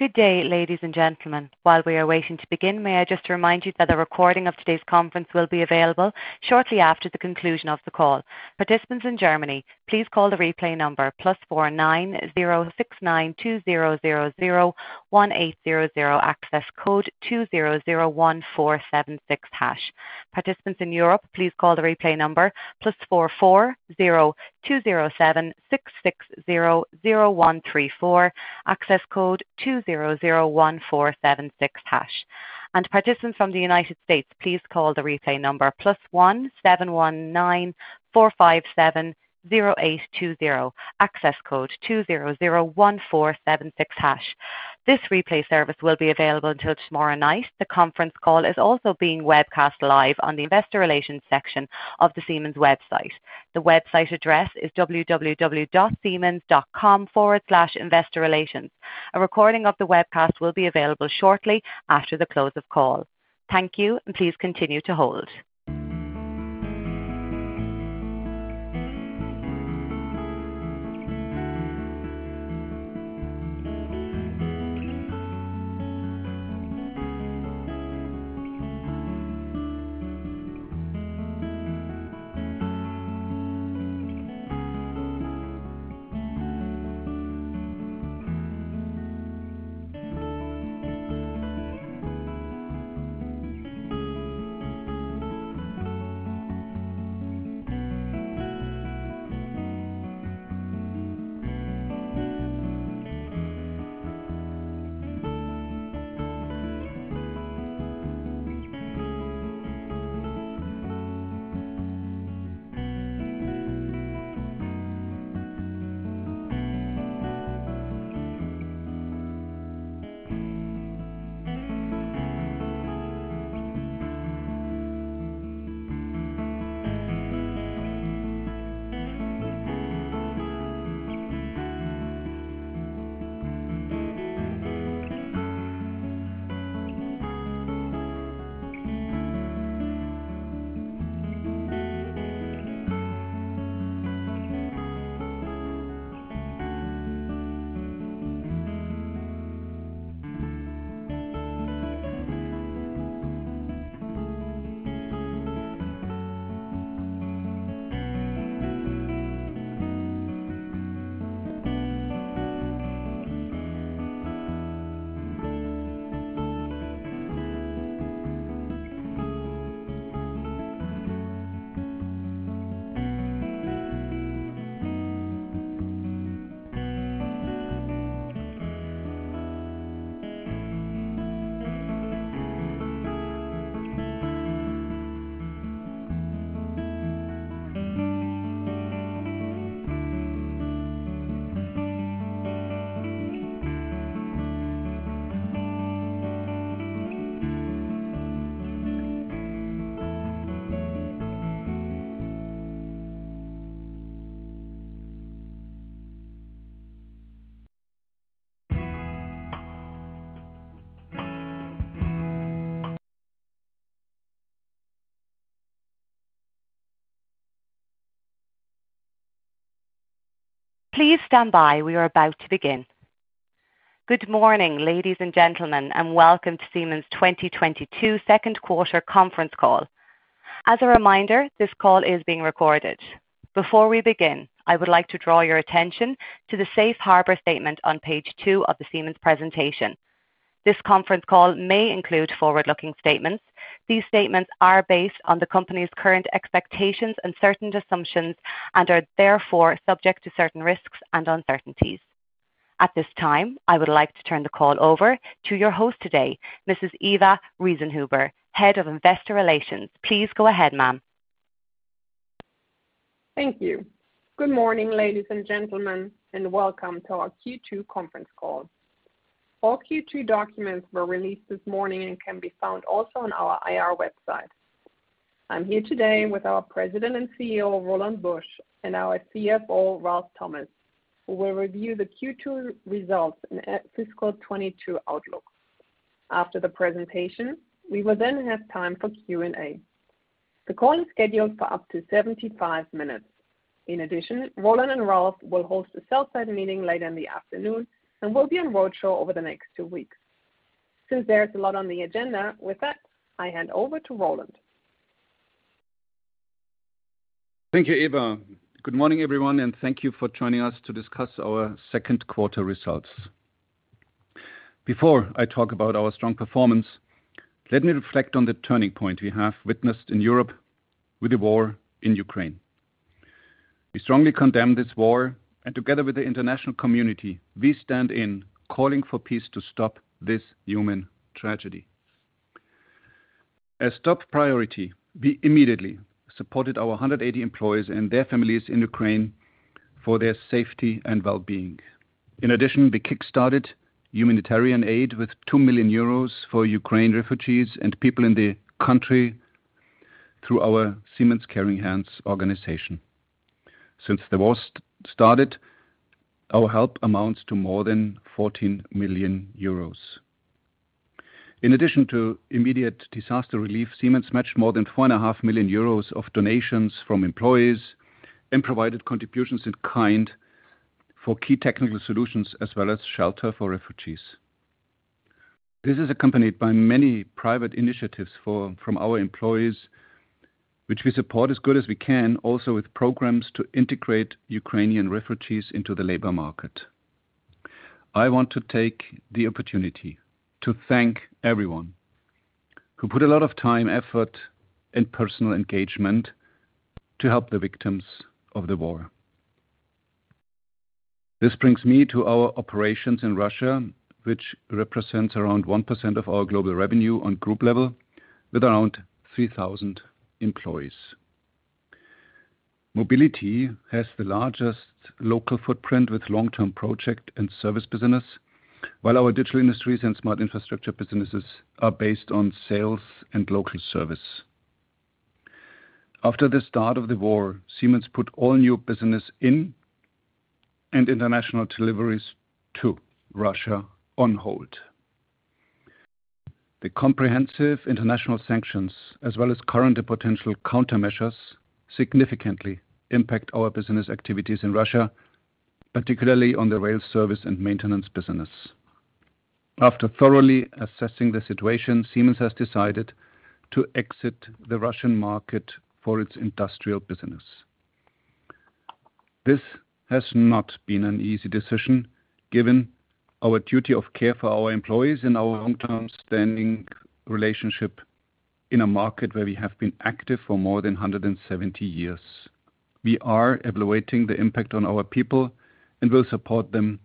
Good day, ladies and gentlemen. While we are waiting to begin, may I just remind you that a recording of today's conference will be available shortly after the conclusion of the call. Participants in Germany, please call the replay number +49 069 200 01800. Access code 2001476#. Participants in Europe, please call the replay number +44 020 766 00134. Access code 2001476#. Participants from the United States, please call the replay number +1 719 457 0820. Access code 2001476#. This replay service will be available until tomorrow night. The conference call is also being webcast live on the investor relations section of the Siemens website. The website address is www.siemens.com/investorrelations. A recording of the webcast will be available shortly after the close of call. Thank you, and please continue to hold. Please stand by. We are about to begin. Good morning, ladies and gentlemen, and welcome to Siemens 2022 second quarter conference call. As a reminder, this call is being recorded. Before we begin, I would like to draw your attention to the Safe Harbor statement on page two of the Siemens presentation. This conference call may include forward-looking statements. These statements are based on the company's current expectations and certain assumptions and are therefore subject to certain risks and uncertainties. At this time, I would like to turn the call over to your host today, Mrs. Eva Riesenhuber, Head of Investor Relations. Please go ahead, ma'am. Thank you. Good morning, ladies and gentlemen, and welcome to our Q2 conference call. All Q2 documents were released this morning and can be found also on our IR website. I'm here today with our president and CEO, Roland Busch, and our CFO, Ralf Thomas, who will review the Q2 results and fiscal 2022 outlook. After the presentation, we will then have time for Q&A. The call is scheduled for up to 75 minutes. In addition, Roland and Ralf will host a sell-side meeting later in the afternoon and will be on road show over the next two weeks. Since there's a lot on the agenda, with that, I hand over to Roland. Thank you, Eva. Good morning, everyone, and thank you for joining us to discuss our second quarter results. Before I talk about our strong performance, let me reflect on the turning point we have witnessed in Europe with the war in Ukraine. We strongly condemn this war and together with the international community, we stand in calling for peace to stop this human tragedy. As top priority, we immediately supported our 180 employees and their families in Ukraine for their safety and well-being. In addition, we kick-started humanitarian aid with 2 million euros for Ukraine refugees and people in the country through our Siemens Caring Hands organization. Since the war started, our help amounts to more than 14 million euros. In addition to immediate disaster relief, Siemens matched more than 4.5 million euros of donations from employees and provided contributions in kind for key technical solutions as well as shelter for refugees. This is accompanied by many private initiatives from our employees, which we support as good as we can, also with programs to integrate Ukrainian refugees into the labor market. I want to take the opportunity to thank everyone who put a lot of time, effort, and personal engagement to help the victims of the war. This brings me to our operations in Russia, which represents around 1% of our global revenue on group level with around 3,000 employees. Mobility has the largest local footprint with long-term project and service business, while our Digital Industries and Smart Infrastructure businesses are based on sales and local service. After the start of the war, Siemens put all new business in Russia and international deliveries to Russia on hold. The comprehensive international sanctions, as well as current and potential countermeasures, significantly impact our business activities in Russia, particularly on the rail service and maintenance business. After thoroughly assessing the situation, Siemens has decided to exit the Russian market for its industrial business. This has not been an easy decision given our duty of care for our employees and our long-term standing relationship in a market where we have been active for more than 170 years. We are evaluating the impact on our people and will support them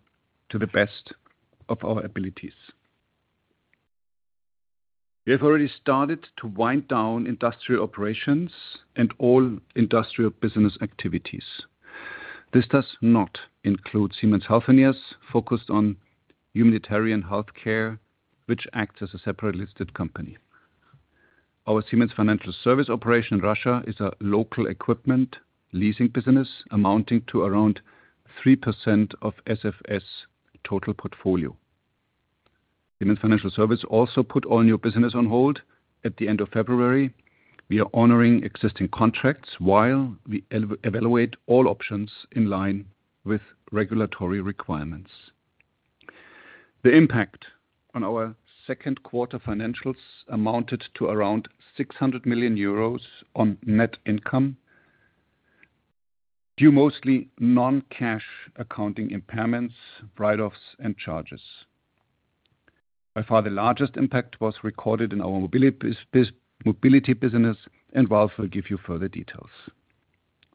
to the best of our abilities. We have already started to wind down industrial operations and all industrial business activities. This does not include Siemens Healthineers focused on humanitarian healthcare, which acts as a separately listed company. Our Siemens Financial Services operation in Russia is a local equipment leasing business amounting to around 3% of SFS total portfolio. Siemens Financial Services also put all new business on hold at the end of February. We are honoring existing contracts while we evaluate all options in line with regulatory requirements. The impact on our second quarter financials amounted to around 600 million euros on net income, due to mostly non-cash accounting impairments, write-offs, and charges. By far the largest impact was recorded in our mobility business, and Ralf will give you further details.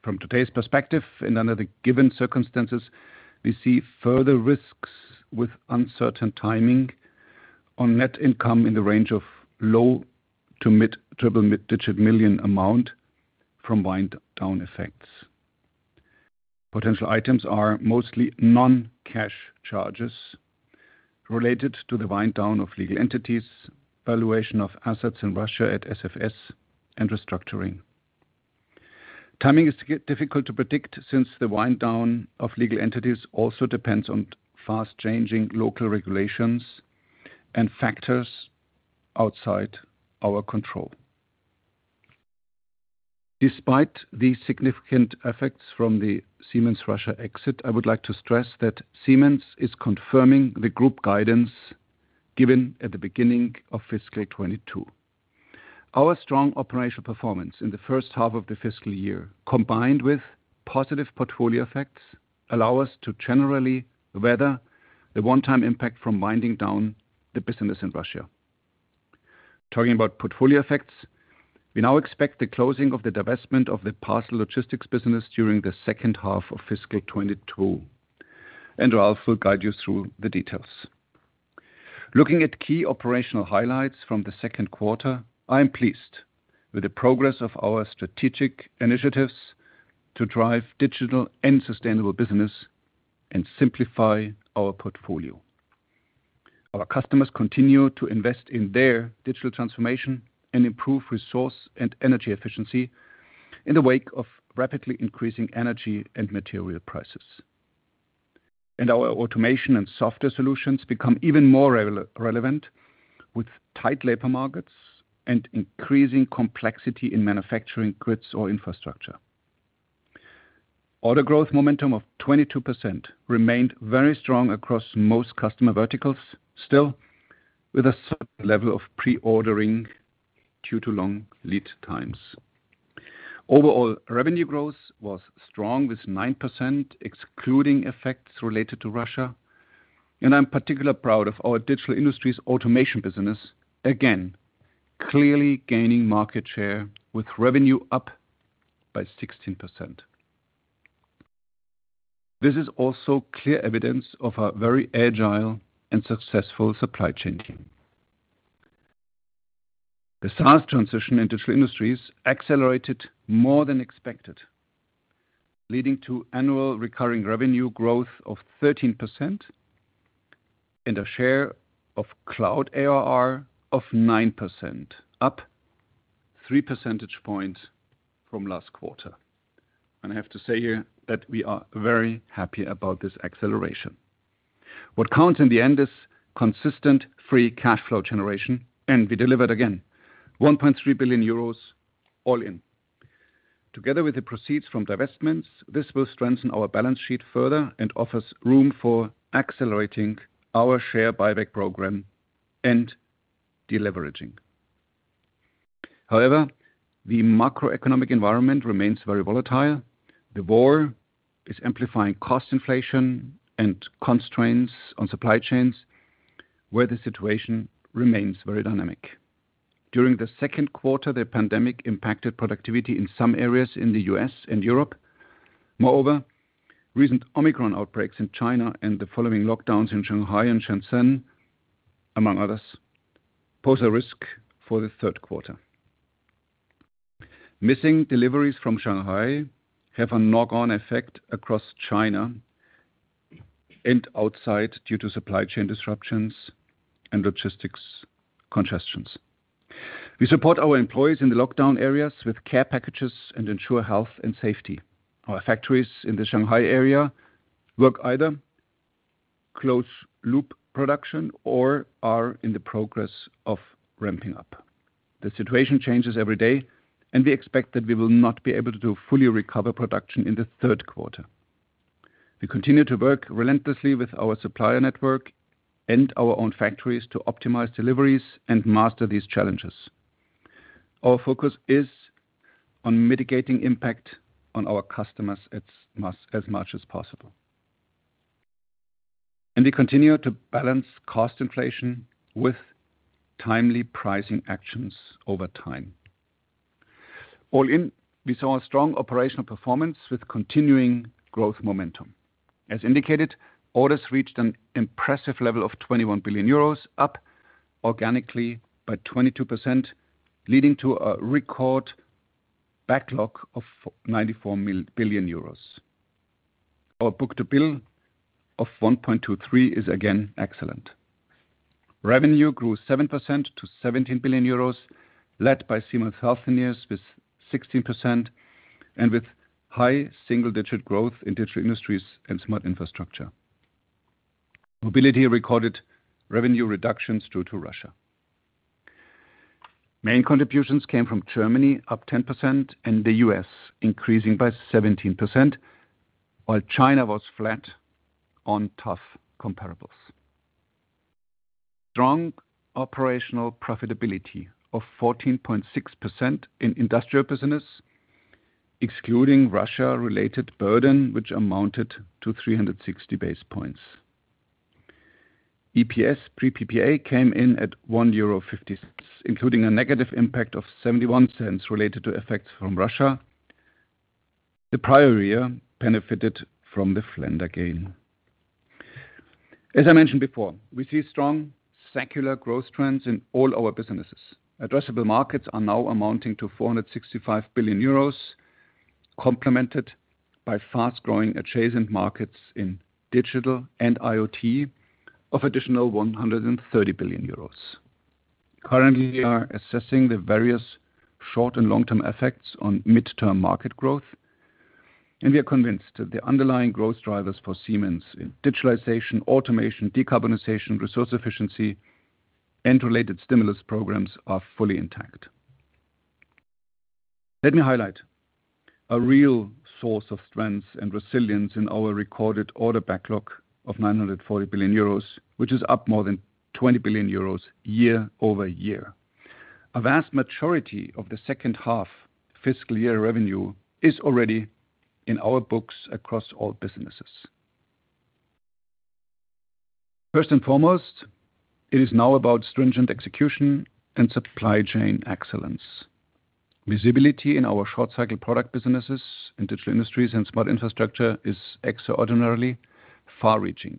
From today's perspective and under the given circumstances, we see further risks with uncertain timing on net income in the range of low to mid-triple-digit million from wind down effects. Potential items are mostly non-cash charges related to the wind down of legal entities, valuation of assets in Russia at SFS, and restructuring. Timing is difficult to predict since the wind down of legal entities also depends on fast-changing local regulations and factors outside our control. Despite the significant effects from the Siemens Russia exit, I would like to stress that Siemens is confirming the group guidance given at the beginning of fiscal 2022. Our strong operational performance in the first half of the fiscal year, combined with positive portfolio effects, allow us to generally weather the one-time impact from winding down the business in Russia. Talking about portfolio effects, we now expect the closing of the divestment of the parcel logistics business during the second half of fiscal 2022, and Ralf will guide you through the details. Looking at key operational highlights from the second quarter, I am pleased with the progress of our strategic initiatives to drive digital and sustainable business and simplify our portfolio. Our customers continue to invest in their digital transformation and improve resource and energy efficiency in the wake of rapidly increasing energy and material prices. Our automation and software solutions become even more relevant with tight labor markets and increasing complexity in manufacturing grids or infrastructure. Order growth momentum of 22% remained very strong across most customer verticals, still with a certain level of pre-ordering due to long lead times. Overall, revenue growth was strong with 9% excluding effects related to Russia, and I'm particularly proud of our Digital Industries automation business, again, clearly gaining market share with revenue up by 16%. This is also clear evidence of our very agile and successful supply chain team. The SaaS transition in Digital Industries accelerated more than expected, leading to annual recurring revenue growth of 13% and a share of cloud ARR of 9% up three percentage points from last quarter. I have to say here that we are very happy about this acceleration. What counts in the end is consistent free cash flow generation, and we delivered again 1.3 billion euros all in. Together with the proceeds from divestments, this will strengthen our balance sheet further and offers room for accelerating our share buyback program and deleveraging. However, the macroeconomic environment remains very volatile. The war is amplifying cost inflation and constraints on supply chains, where the situation remains very dynamic. During the second quarter, the pandemic impacted productivity in some areas in the U.S. and Europe. Moreover, recent Omicron outbreaks in China and the following lockdowns in Shanghai and Shenzhen, among others, pose a risk for the third quarter. Missing deliveries from Shanghai have a knock-on effect across China and outside due to supply chain disruptions and logistics congestions. We support our employees in the lockdown areas with care packages and ensure health and safety. Our factories in the Shanghai area work either closed-loop production or are in the process of ramping up. The situation changes every day, and we expect that we will not be able to fully recover production in the third quarter. We continue to work relentlessly with our supplier network and our own factories to optimize deliveries and master these challenges. Our focus is on mitigating impact on our customers as much as possible. We continue to balance cost inflation with timely pricing actions over time. All in, we saw a strong operational performance with continuing growth momentum. As indicated, orders reached an impressive level of 21 billion euros, up organically by 20%, leading to a record backlog of EUR 94 billion. Our book-to-bill of 1.23 is again excellent. Revenue grew 7% to 17 billion euros, led by Siemens Healthineers with 16% and with high single-digit growth in Digital Industries and Smart Infrastructure. Mobility recorded revenue reductions due to Russia. Main contributions came from Germany, up 10%, and the US increasing by 17%, while China was flat on tough comparables. Strong operational profitability of 14.6% in industrial business, excluding Russia-related burden, which amounted to 360 basis points. EPS pre PPA came in at 1.50 euro, including a negative impact of 0.71 related to effects from Russia. The prior year benefited from the Flender gain. As I mentioned before, we see strong secular growth trends in all our businesses. Addressable markets are now amounting to 465 billion euros, complemented by fast-growing adjacent markets in digital and IoT of additional 130 billion euros. Currently, we are assessing the various short and long-term effects on midterm market growth, and we are convinced that the underlying growth drivers for Siemens in digitalization, automation, decarbonization, resource efficiency, and related stimulus programs are fully intact. Let me highlight a real source of strength and resilience in our recorded order backlog of 940 billion euros, which is up more than 20 billion euros year-over-year. A vast majority of the second half fiscal year revenue is already in our books across all businesses. First and foremost, it is now about stringent execution and supply chain excellence. Visibility in our short-cycle product businesses, in Digital Industries and Smart Infrastructure is extraordinarily far-reaching.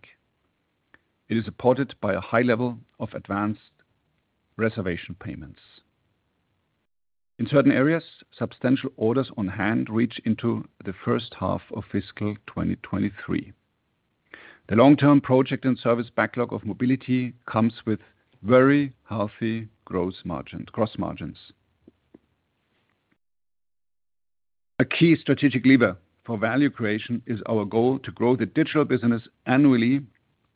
It is supported by a high level of advanced reservation payments. In certain areas, substantial orders on hand reach into the first half of fiscal 2023. The long-term project and service backlog of Mobility comes with very healthy gross margins. A key strategic lever for value creation is our goal to grow the digital business annually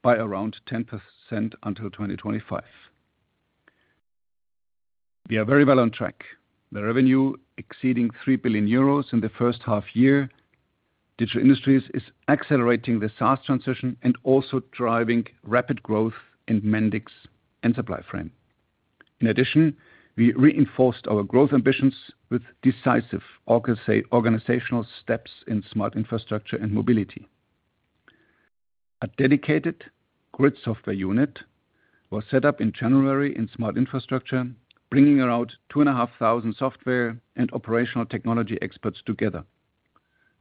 by around 10% until 2025. We are very well on track. The revenue exceeding 3 billion euros in the first half year. Digital Industries is accelerating the SaaS transition and also driving rapid growth in Mendix and Supplyframe. In addition, we reinforced our growth ambitions with decisive organizational steps in Smart Infrastructure and Mobility. A dedicated grid software unit was set up in January in Smart Infrastructure, bringing around 2,500 software and operational technology experts together.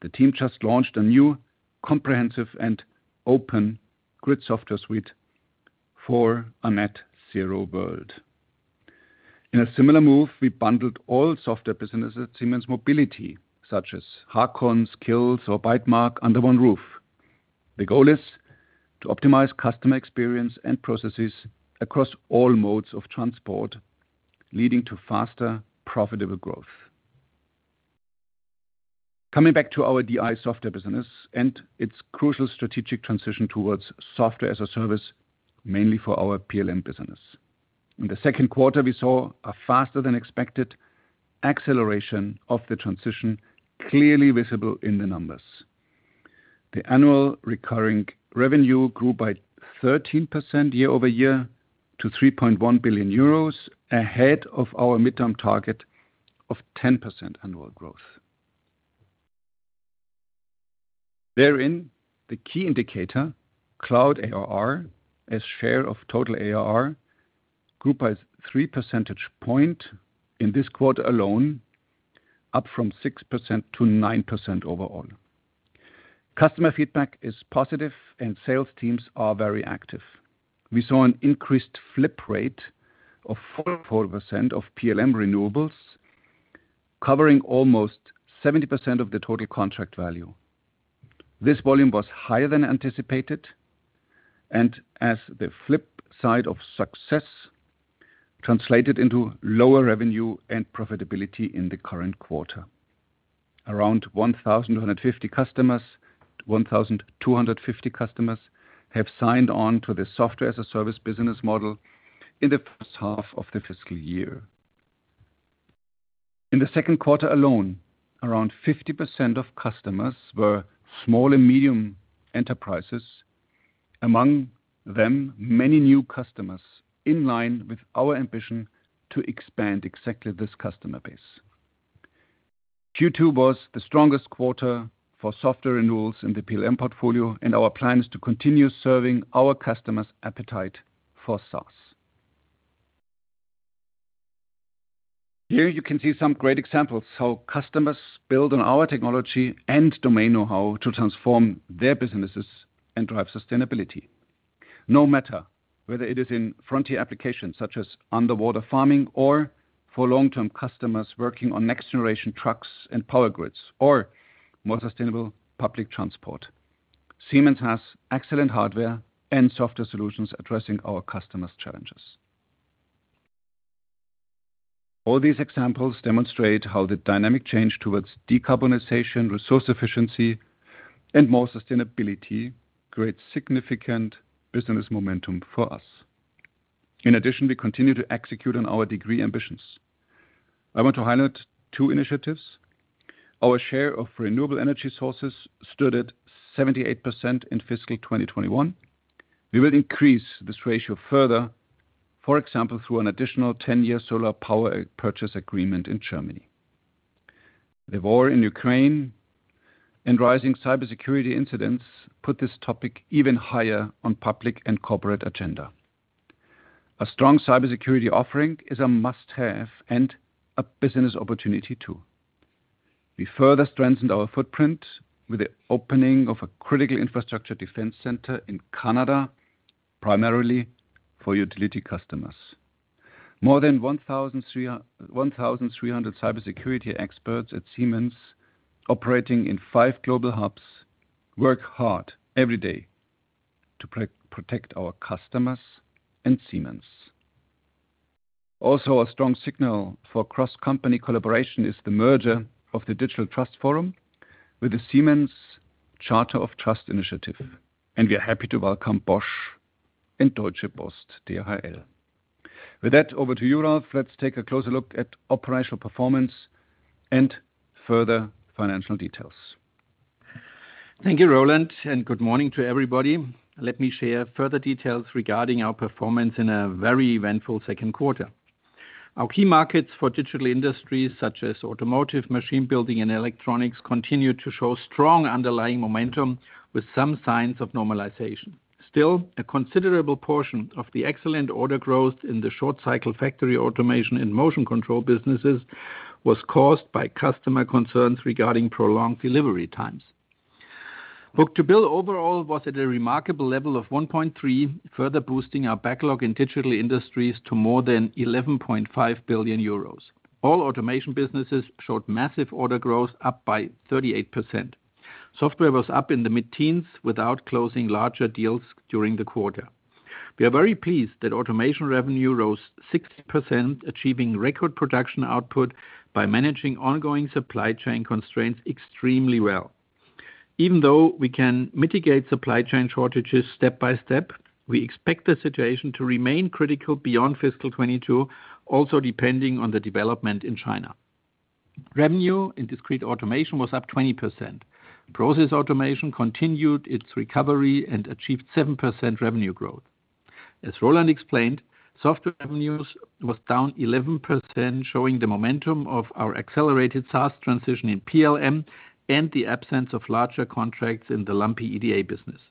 The team just launched a new comprehensive and open grid software suite for a net zero world. In a similar move, we bundled all software businesses at Siemens Mobility, such as Hacon, Sqills, or Bytemark under one roof. The goal is to optimize customer experience and processes across all modes of transport, leading to faster, profitable growth. Coming back to our DI software business and its crucial strategic transition towards software as a service, mainly for our PLM business. In the second quarter, we saw a faster than expected acceleration of the transition, clearly visible in the numbers. The annual recurring revenue grew by 13% year-over-year to 3.1 billion euros ahead of our midterm target of 10% annual growth. Therein, the key indicator, cloud ARR as share of total ARR, grew by three percentage points in this quarter alone, up from 6% to 9% overall. Customer feedback is positive and sales teams are very active. We saw an increased flip rate of 4% of PLM renewables, covering almost 70% of the total contract value. This volume was higher than anticipated, and as the flip side of success translated into lower revenue and profitability in the current quarter. Around 1,250 customers have signed on to the software-as-a-service business model in the first half of the fiscal year. In the second quarter alone, around 50% of customers were small and medium enterprises. Among them, many new customers in line with our ambition to expand exactly this customer base. Q2 was the strongest quarter for software renewals in the PLM portfolio, and our plan is to continue serving our customers' appetite for SaaS. Here you can see some great examples how customers build on our technology and domain know-how to transform their businesses and drive sustainability. No matter whether it is in frontier applications such as underwater farming or for long-term customers working on next-generation trucks and power grids, or more sustainable public transport. Siemens has excellent hardware and software solutions addressing our customers' challenges. All these examples demonstrate how the dynamic change towards decarbonization, resource efficiency, and more sustainability creates significant business momentum for us. In addition, we continue to execute on our ESG ambitions. I want to highlight two initiatives. Our share of renewable energy sources stood at 78% in fiscal 2021. We will increase this ratio further, for example, through an additional 10-year solar power purchase agreement in Germany. The war in Ukraine and rising cybersecurity incidents put this topic even higher on public and corporate agenda. A strong cybersecurity offering is a must-have and a business opportunity, too. We further strengthened our footprint with the opening of a critical infrastructure defense center in Canada, primarily for utility customers. More than 1,300 cybersecurity experts at Siemens operating in 5 global hubs work hard every day to protect our customers and Siemens. Also a strong signal for cross-company collaboration is the merger of the Digital Trust Forum with the Siemens Charter of Trust Initiative, and we are happy to welcome Bosch and Deutsche Post DHL. With that, over to you, Ralf. Let's take a closer look at operational performance and further financial details. Thank you, Roland, and good morning to everybody. Let me share further details regarding our performance in a very eventful second quarter. Our key markets for Digital Industries, such as automotive, machine building, and electronics, continue to show strong underlying momentum with some signs of normalization. Still, a considerable portion of the excellent order growth in the short-cycle factory automation and motion control businesses was caused by customer concerns regarding prolonged delivery times. Book-to-bill overall was at a remarkable level of 1.3, further boosting our backlog in Digital Industries to more than 11.5 billion euros. All automation businesses showed massive order growth up by 38%. Software was up in the mid-teens without closing larger deals during the quarter. We are very pleased that automation revenue rose 6%, achieving record production output by managing ongoing supply chain constraints extremely well. Even though we can mitigate supply chain shortages step by step, we expect the situation to remain critical beyond fiscal 2022, also depending on the development in China. Revenue in discrete automation was up 20%. Process automation continued its recovery and achieved 7% revenue growth. As Roland explained, software revenues was down 11%, showing the momentum of our accelerated SaaS transition in PLM and the absence of larger contracts in the lumpy EDA business.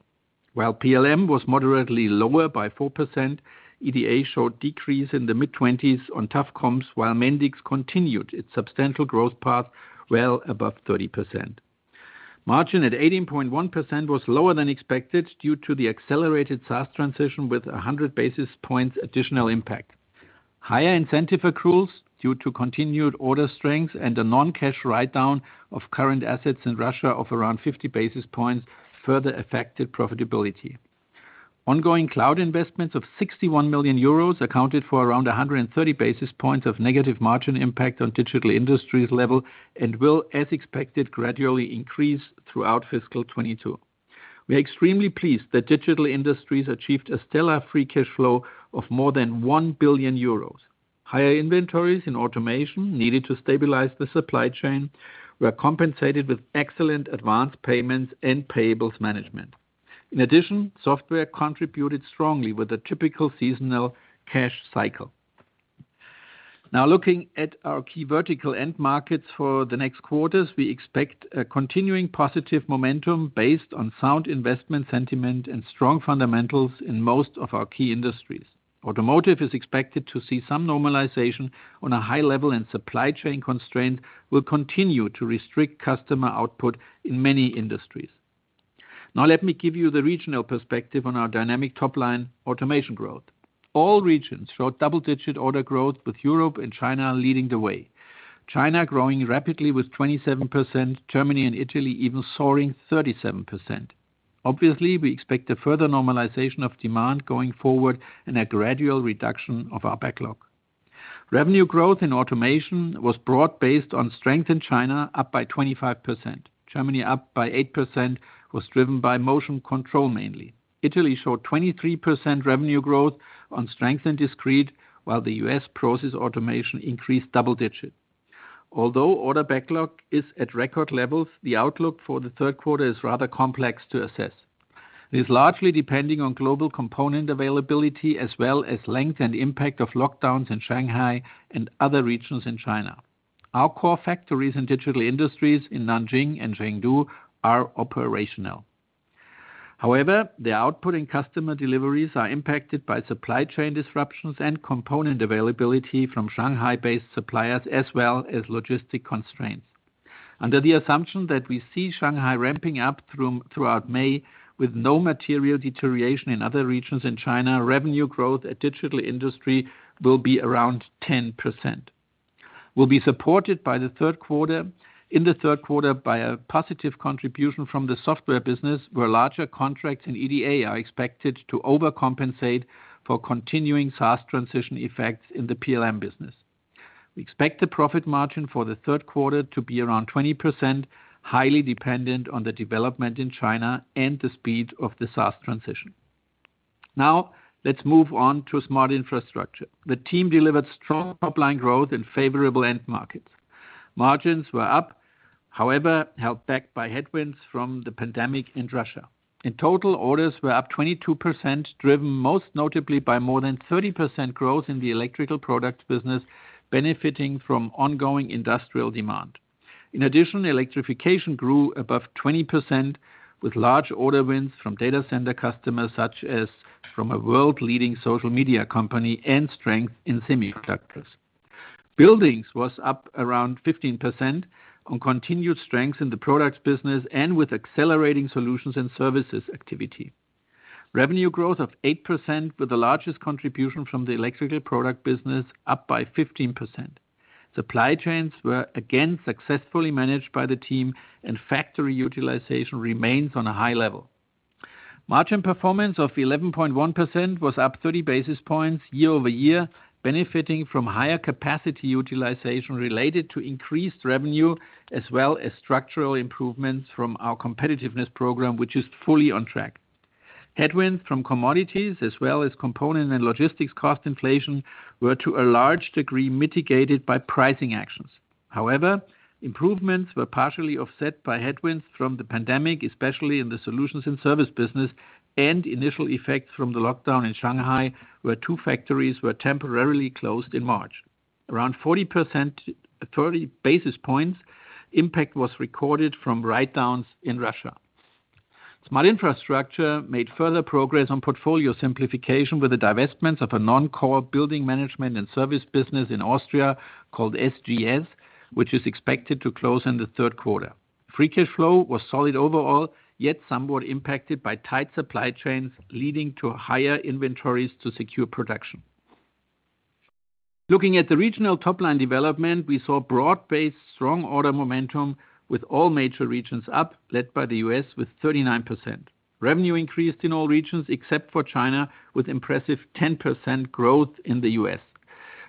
While PLM was moderately lower by 4%, EDA showed decrease in the mid-20s% on tough comps, while Mendix continued its substantial growth path well above 30%. Margin at 18.1% was lower than expected due to the accelerated SaaS transition with 100 basis points additional impact. Higher incentive accruals due to continued order strength and a non-cash write down of current assets in Russia of around 50 basis points further affected profitability. Ongoing cloud investments of 61 million euros accounted for around 100 and 30 basis points of negative margin impact on Digital Industries level and will, as expected, gradually increase throughout fiscal 2022. We are extremely pleased that Digital Industries achieved a stellar free cash flow of more than 1 billion euros. Higher inventories in automation needed to stabilize the supply chain were compensated with excellent advanced payments and payables management. In addition, software contributed strongly with a typical seasonal cash cycle. Now looking at our key vertical end markets for the next quarters, we expect a continuing positive momentum based on sound investment sentiment and strong fundamentals in most of our key industries. Automotive is expected to see some normalization on a high level, and supply chain constraints will continue to restrict customer output in many industries. Now let me give you the regional perspective on our dynamic top line automation growth. All regions showed double-digit order growth, with Europe and China leading the way. China growing rapidly with 27%, Germany and Italy even soaring 37%. Obviously, we expect a further normalization of demand going forward and a gradual reduction of our backlog. Revenue growth in automation was broad-based on strength in China, up by 25%. Germany up by 8%, was driven by motion control mainly. Italy showed 23% revenue growth on strength and discrete, while the U.S. process automation increased double digits. Although order backlog is at record levels, the outlook for the third quarter is rather complex to assess. It is largely depending on global component availability, as well as length and impact of lockdowns in Shanghai and other regions in China. Our core factories and Digital Industries in Nanjing and Chengdu are operational. However, the output in customer deliveries are impacted by supply chain disruptions and component availability from Shanghai-based suppliers as well as logistic constraints. Under the assumption that we see Shanghai ramping up throughout May with no material deterioration in other regions in China, revenue growth at Digital Industries will be around 10%. Will be supported by the third quarter, in the third quarter by a positive contribution from the software business, where larger contracts in EDA are expected to overcompensate for continuing SaaS transition effects in the PLM business. We expect the profit margin for the third quarter to be around 20%, highly dependent on the development in China and the speed of the SaaS transition. Now, let's move on to Smart Infrastructure. The team delivered strong top-line growth in favorable end markets. Margins were up, however, held back by headwinds from the pandemic in Russia. In total, orders were up 22%, driven most notably by more than 30% growth in the electrical products business, benefiting from ongoing industrial demand. In addition, electrification grew above 20%, with large order wins from data center customers, such as from a world-leading social media company and strength in semiconductors. Buildings was up around 15% on continued strength in the products business and with accelerating solutions and services activity. Revenue growth of 8% with the largest contribution from the electrical product business up by 15%. Supply chains were again successfully managed by the team, and factory utilization remains on a high level. Margin performance of 11.1% was up 30 basis points year-over-year, benefiting from higher capacity utilization related to increased revenue, as well as structural improvements from our competitiveness program, which is fully on track. Headwinds from commodities as well as component and logistics cost inflation were to a large degree mitigated by pricing actions. However, improvements were partially offset by headwinds from the pandemic, especially in the solutions and service business and initial effects from the lockdown in Shanghai, where 2 factories were temporarily closed in March. Around 40%. 30 basis points impact was recorded from write-downs in Russia. Smart Infrastructure made further progress on portfolio simplification with the divestments of a non-core building management and service business in Austria called SGS, which is expected to close in the third quarter. Free cash flow was solid overall, yet somewhat impacted by tight supply chains, leading to higher inventories to secure production. Looking at the regional top line development, we saw broad-based strong order momentum with all major regions up, led by the U.S. with 39%. Revenue increased in all regions except for China, with impressive 10% growth in the U.S.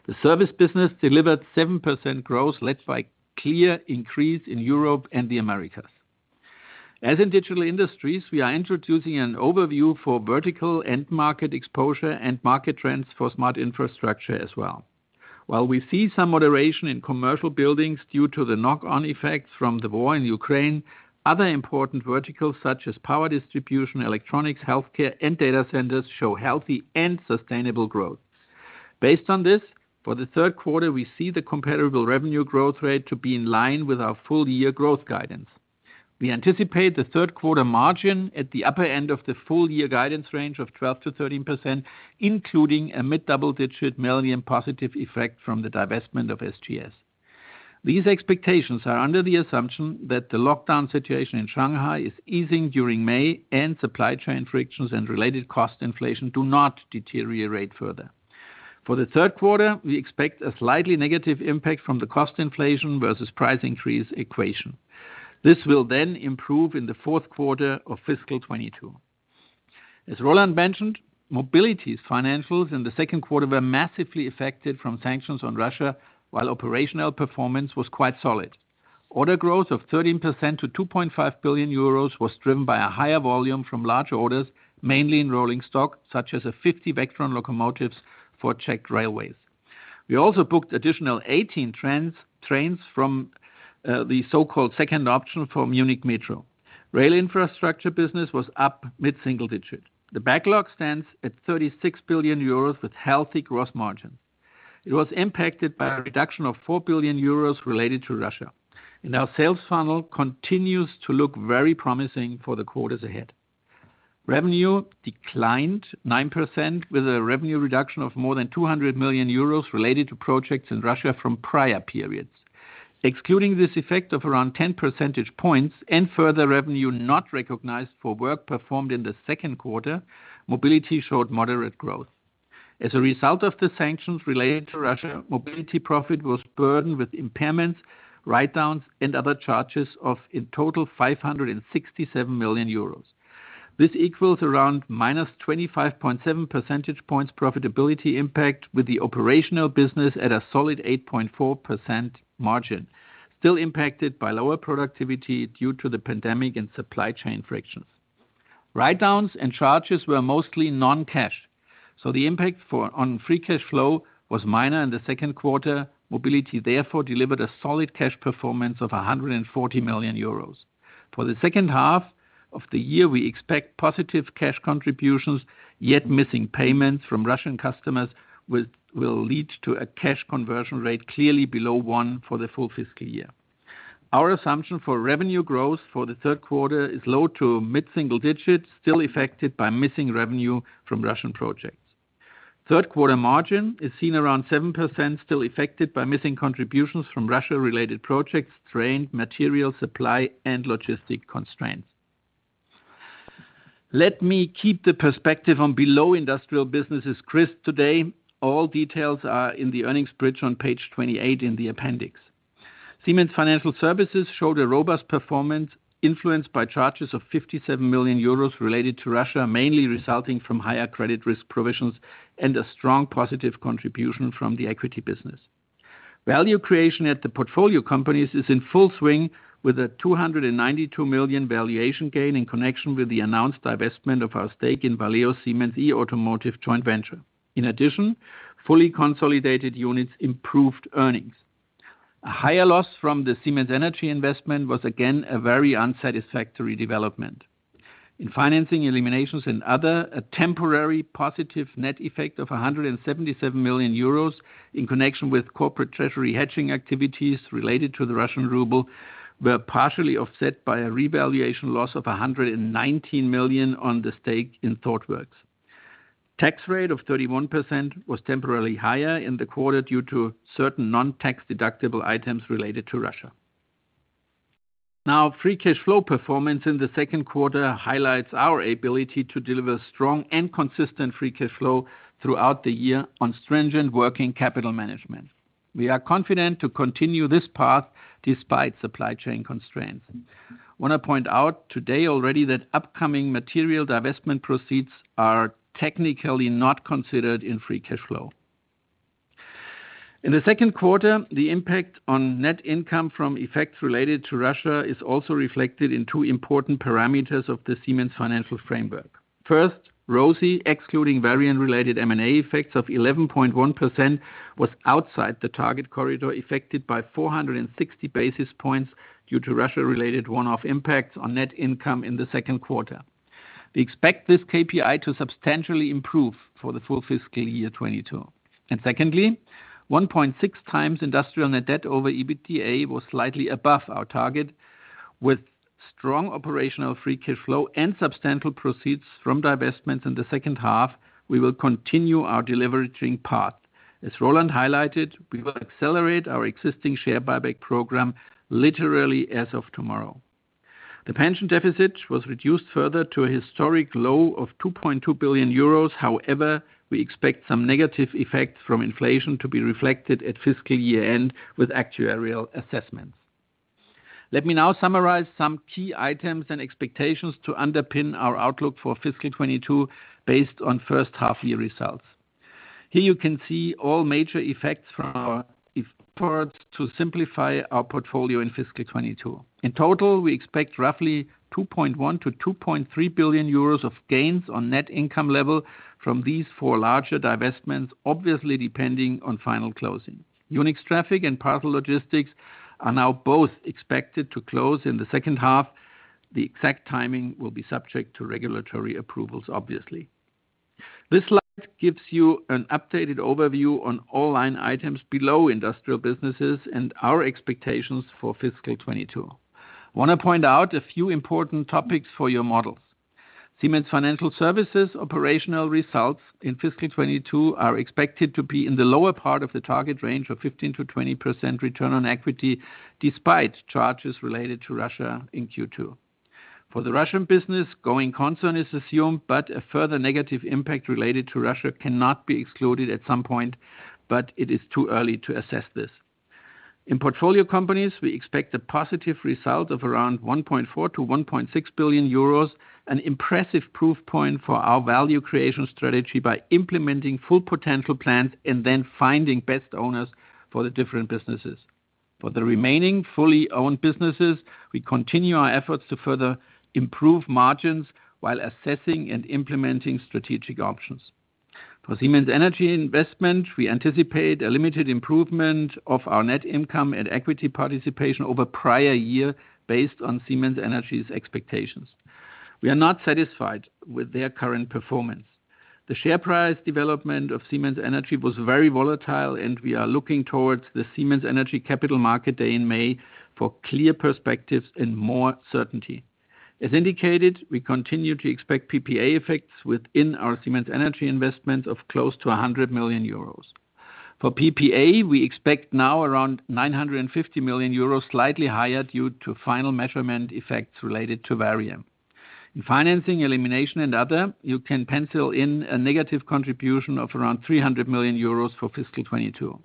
The service business delivered 7% growth, led by clear increase in Europe and the Americas. As in Digital Industries, we are introducing an overview for vertical end market exposure and market trends for Smart Infrastructure as well. While we see some moderation in commercial buildings due to the knock-on effects from the war in Ukraine, other important verticals such as power distribution, electronics, healthcare, and data centers show healthy and sustainable growth. Based on this, for the third quarter, we see the comparable revenue growth rate to be in line with our full year growth guidance. We anticipate the third quarter margin at the upper end of the full year guidance range of 12%-13%, including a EUR mid-double-digit million positive effect from the divestment of SGS. These expectations are under the assumption that the lockdown situation in Shanghai is easing during May and supply chain frictions and related cost inflation do not deteriorate further. For the third quarter, we expect a slightly negative impact from the cost inflation versus price increase equation. This will then improve in the fourth quarter of fiscal 2022. As Roland mentioned, Mobility's financials in the second quarter were massively affected from sanctions on Russia, while operational performance was quite solid. Order growth of 13% to 2.5 billion euros was driven by a higher volume from large orders, mainly in rolling stock, such as 50 Vectron locomotives for Czech Railways. We also booked additional eighteen trains from the so-called second option for Munich Metro. Rail infrastructure business was up mid-single digit. The backlog stands at 36 billion euros with healthy gross margin. It was impacted by a reduction of 4 billion euros related to Russia. Our sales funnel continues to look very promising for the quarters ahead. Revenue declined 9% with a revenue reduction of more than 200 million euros related to projects in Russia from prior periods. Excluding this effect of around 10 percentage points and further revenue not recognized for work performed in the second quarter, Mobility showed moderate growth. As a result of the sanctions related to Russia, Mobility profit was burdened with impairments, write-downs, and other charges of, in total, 567 million euros. This equals around minus 25.7 percentage points profitability impact with the operational business at a solid 8.4% margin, still impacted by lower productivity due to the pandemic and supply chain frictions. Write-downs and charges were mostly non-cash, so the impact on free cash flow was minor in the second quarter. Mobility therefore delivered a solid cash performance of 140 million euros. For the second half of the year, we expect positive cash contributions, yet missing payments from Russian customers which will lead to a cash conversion rate clearly below 1 for the full fiscal year. Our assumption for revenue growth for the third quarter is low- to mid-single digits, still affected by missing revenue from Russian projects. Third quarter margin is seen around 7%, still affected by missing contributions from Russia-related projects, strained material supply, and logistic constraints. Let me keep the perspective on non-industrial businesses crisp today. All details are in the earnings bridge on page 28 in the appendix. Siemens Financial Services showed a robust performance influenced by charges of 57 million euros related to Russia, mainly resulting from higher credit risk provisions and a strong positive contribution from the equity business. Value creation at the portfolio companies is in full swing with a 292 million valuation gain in connection with the announced divestment of our stake in Valeo Siemens eAutomotive joint venture. In addition, fully consolidated units improved earnings. A higher loss from the Siemens Energy investment was again a very unsatisfactory development. In financing eliminations and other, a temporary positive net effect of 177 million euros in connection with corporate treasury hedging activities related to the Russian ruble were partially offset by a revaluation loss of 119 million on the stake in Thoughtworks. Tax rate of 31% was temporarily higher in the quarter due to certain non-tax deductible items related to Russia. Now, free cash flow performance in the second quarter highlights our ability to deliver strong and consistent free cash flow throughout the year on stringent working capital management. We are confident to continue this path despite supply chain constraints. Want to point out today already that upcoming material divestment proceeds are technically not considered in free cash flow. In the second quarter, the impact on net income from effects related to Russia is also reflected in two important parameters of the Siemens financial framework. First, ROCE, excluding Varian related M&A effects of 11.1%, was outside the target corridor affected by 460 basis points due to Russia-related one-off impacts on net income in the second quarter. We expect this KPI to substantially improve for the full fiscal year 2022. Secondly, 1.6 times industrial net debt over EBITDA was slightly above our target. With strong operational free cash flow and substantial proceeds from divestments in the second half, we will continue our deleveraging path. As Roland highlighted, we will accelerate our existing share buyback program literally as of tomorrow. The pension deficit was reduced further to a historic low of 2.2 billion euros. However, we expect some negative effects from inflation to be reflected at fiscal year-end with actuarial assessments. Let me now summarize some key items and expectations to underpin our outlook for fiscal 2022 based on first half year results. Here you can see all major effects from our efforts to simplify our portfolio in fiscal 2022. In total, we expect roughly 2.1 billion-2.3 billion euros of gains on net income level from these four larger divestments, obviously depending on final closing. Yunex Traffic and Parcel Logistics are now both expected to close in the second half. The exact timing will be subject to regulatory approvals, obviously. This slide gives you an updated overview on all line items below industrial businesses and our expectations for fiscal 2022. Want to point out a few important topics for your models. Siemens Financial Services operational results in fiscal 2022 are expected to be in the lower part of the target range of 15%-20% return on equity, despite charges related to Russia in Q2. For the Russian business, going concern is assumed, but a further negative impact related to Russia cannot be excluded at some point. It is too early to assess this. In portfolio companies, we expect a positive result of around 1.4 billion-1.6 billion euros, an impressive proof point for our value creation strategy by implementing full potential plans and then finding best owners for the different businesses. For the remaining fully owned businesses, we continue our efforts to further improve margins while assessing and implementing strategic options. For Siemens Energy investment, we anticipate a limited improvement of our net income and equity participation over prior year based on Siemens Energy's expectations. We are not satisfied with their current performance. The share price development of Siemens Energy was very volatile, and we are looking towards the Siemens Energy Capital Market Day in May for clear perspectives and more certainty. As indicated, we continue to expect PPA effects within our Siemens Energy investment of close to 100 million euros. For PPA, we expect now around 950 million euros, slightly higher due to final measurement effects related to Varian. In financing, elimination, and other, you can pencil in a negative contribution of around 300 million euros for fiscal 2022.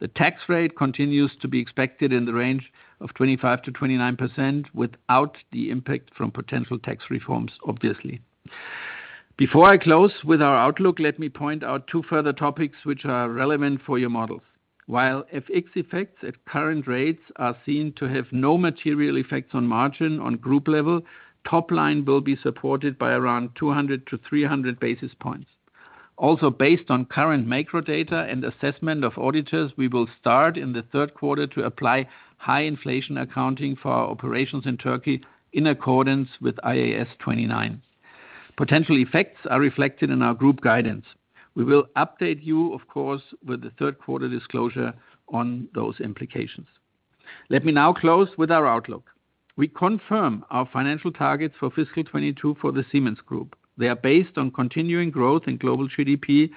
The tax rate continues to be expected in the range of 25%-29% without the impact from potential tax reforms, obviously. Before I close with our outlook, let me point out two further topics which are relevant for your models. While FX effects at current rates are seen to have no material effects on margin on group level, top line will be supported by around 200-300 basis points. Also, based on current macro data and assessment of auditors, we will start in the third quarter to apply high inflation accounting for our operations in Turkey in accordance with IAS 29. Potential effects are reflected in our group guidance. We will update you, of course, with the third quarter disclosure on those implications. Let me now close with our outlook. We confirm our financial targets for fiscal 2022 for the Siemens Group. They are based on continuing growth in global GDP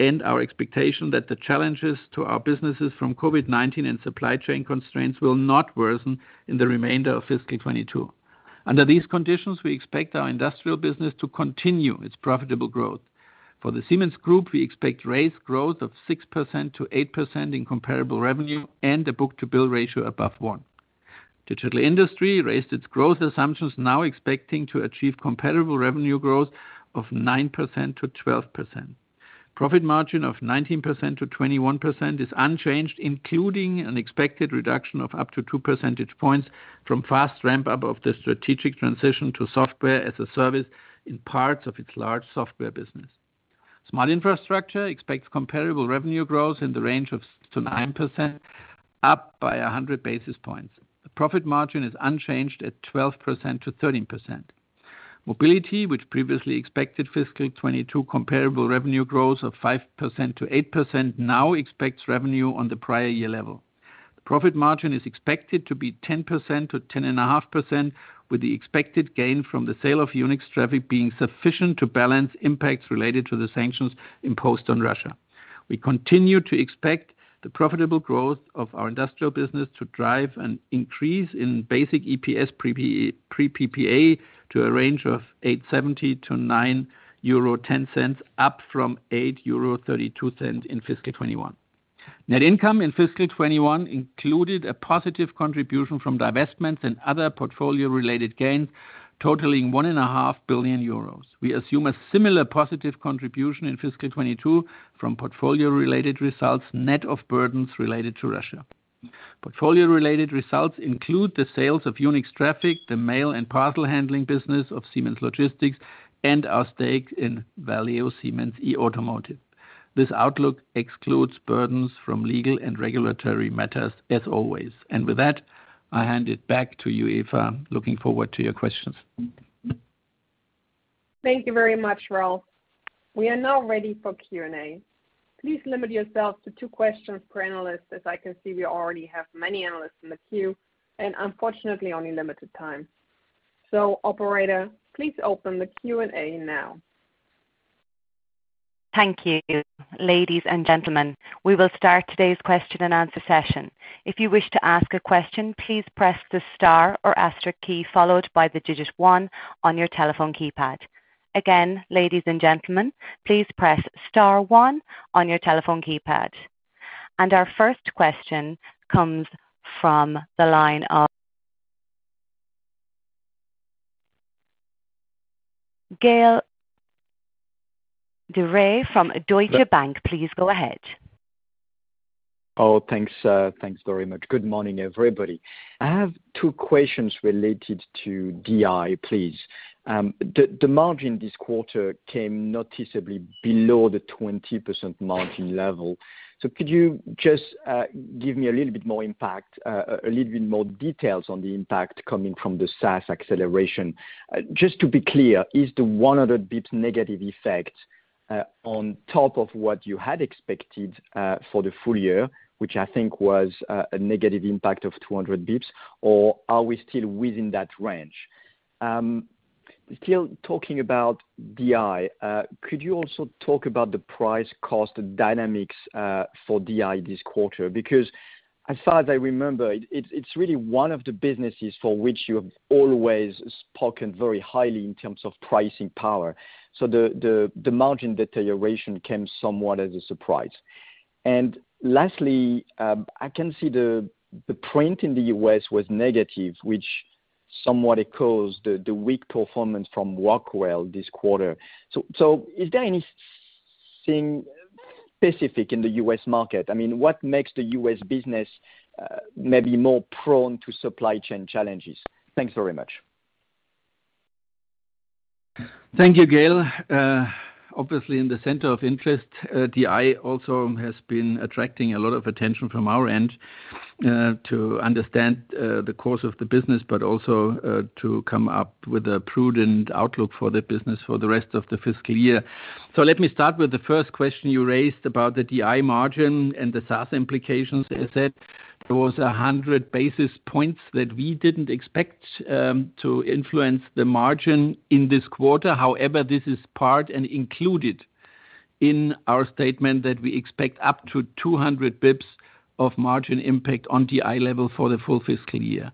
and our expectation that the challenges to our businesses from COVID-19 and supply chain constraints will not worsen in the remainder of fiscal 2022. Under these conditions, we expect our industrial business to continue its profitable growth. For the Siemens Group, we expect revenue growth of 6%-8% in comparable revenue and a book-to-bill ratio above 1. Digital Industries raised its growth assumptions, now expecting to achieve comparable revenue growth of 9%-12%. Profit margin of 19%-21% is unchanged, including an expected reduction of up to 2 percentage points from fast ramp up of the strategic transition to software as a service in parts of its large software business. Smart Infrastructure expects comparable revenue growth in the range of 6%-9%, up by 100 basis points. The profit margin is unchanged at 12%-13%. Mobility, which previously expected fiscal 2022 comparable revenue growth of 5%-8%, now expects revenue on the prior year level. The profit margin is expected to be 10%-10.5%, with the expected gain from the sale of Yunex Traffic being sufficient to balance impacts related to the sanctions imposed on Russia. We continue to expect the profitable growth of our industrial business to drive an increase in basic EPS pre PPA to a range of 8.70-9.10 euro, up from 8.32 euro in fiscal 2021. Net income in fiscal 2021 included a positive contribution from divestments and other portfolio-related gains totaling 1.5 billion euros. We assume a similar positive contribution in fiscal 2022 from portfolio-related results, net of burdens related to Russia. Portfolio-related results include the sales of Yunex Traffic, the mail and parcel handling business of Siemens Logistics, and our stake in Valeo Siemens eAutomotive. This outlook excludes burdens from legal and regulatory matters as always. With that, I hand it back to you, Eva. Looking forward to your questions. Thank you very much, Ralf. We are now ready for Q&A. Please limit yourselves to two questions per analyst. As I can see, we already have many analysts in the queue and unfortunately only limited time. Operator, please open the Q&A now. Thank you. Ladies and gentlemen, we will start today's question and answer session. If you wish to ask a question, please press the star or asterisk key followed by the digit one on your telephone keypad. Again, ladies and gentlemen, please press star one on your telephone keypad. Our first question comes from the line of Gaël de Bray from Deutsche Bank. Please go ahead. Thanks very much. Good morning, everybody. I have two questions related to DI, please. The margin this quarter came noticeably below the 20% margin level. Could you just give me a little bit more details on the impact coming from the SaaS acceleration? Just to be clear, is the 100 basis points negative effect on top of what you had expected for the full year, which I think was a negative impact of 200 basis points, or are we still within that range? Still talking about DI, could you also talk about the price cost dynamics for DI this quarter? Because as far as I remember, it's really one of the businesses for which you have always spoken very highly in terms of pricing power. The margin deterioration came somewhat as a surprise. Lastly, I can see the print in the U.S. was negative, which somewhat echoes the weak performance from Rockwell this quarter. Is there anything specific in the U.S. market? I mean, what makes the U.S. business maybe more prone to supply chain challenges? Thanks very much. Thank you, Gaël. Obviously, in the center of interest, DI also has been attracting a lot of attention from our end, to understand the course of the business, but also, to come up with a prudent outlook for the business for the rest of the fiscal year. Let me start with the first question you raised about the DI margin and the SaaS implications, as said. There was 100 basis points that we didn't expect, to influence the margin in this quarter. However, this is part and included in our statement that we expect up to 200 basis points of margin impact on DI level for the full fiscal year.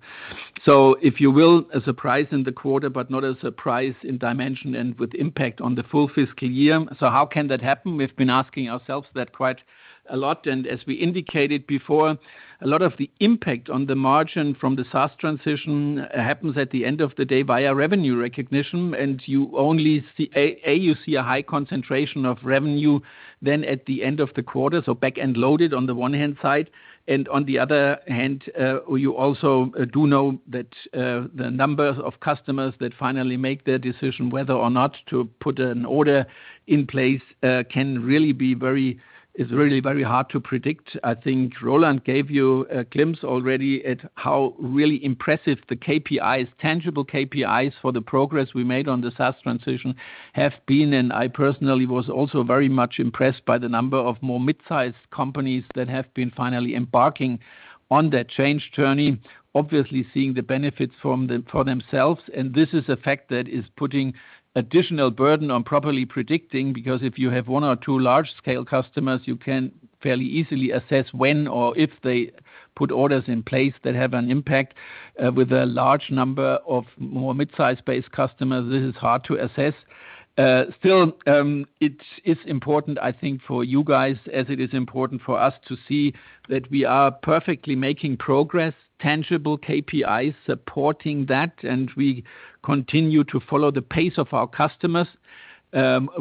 If you will, a surprise in the quarter, but not a surprise in dimension and with impact on the full fiscal year. How can that happen? We've been asking ourselves that quite a lot, and as we indicated before, a lot of the impact on the margin from the SaaS transition happens at the end of the day via revenue recognition. You only see a high concentration of revenue then at the end of the quarter, so back and loaded on the one hand side. On the other hand, you also do know that the number of customers that finally make their decision whether or not to put an order in place is really very hard to predict. I think Roland gave you a glimpse already at how really impressive the KPIs, tangible KPIs for the progress we made on the SaaS transition have been. I personally was also very much impressed by the number of more mid-sized companies that have been finally embarking on that change journey, obviously seeing the benefits from them, for themselves. This is a fact that is putting additional burden on properly predicting, because if you have one or two large scale customers, you can fairly easily assess when or if they put orders in place that have an impact, with a large number of more mid-size based customers, this is hard to assess. Still, it is important, I think, for you guys, as it is important for us, to see that we are perfectly making progress, tangible KPIs supporting that, and we continue to follow the pace of our customers.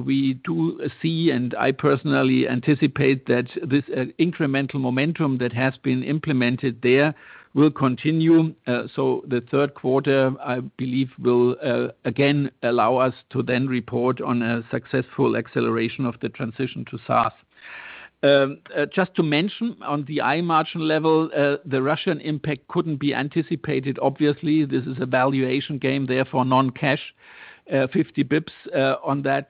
We do see, and I personally anticipate that this incremental momentum that has been implemented there will continue. The third quarter, I believe, will again allow us to then report on a successful acceleration of the transition to SaaS. Just to mention on the impairment level, the Russian impact couldn't be anticipated. Obviously, this is a valuation gain, therefore non-cash, 50 basis points on that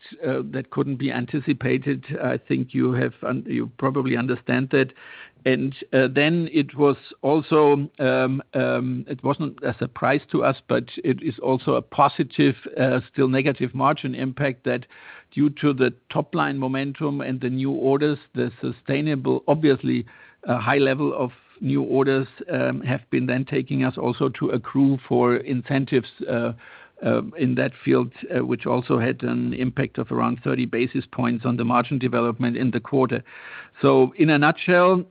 couldn't be anticipated. I think you probably understand it. It was also, it wasn't a surprise to us, but it is also a positive, still negative margin impact that due to the top-line momentum and the new orders, the sustainable, obviously, a high level of new orders, have been then taking us also to accrue for incentives, in that field, which also had an impact of around 30 basis points on the margin development in the quarter. In a nutshell,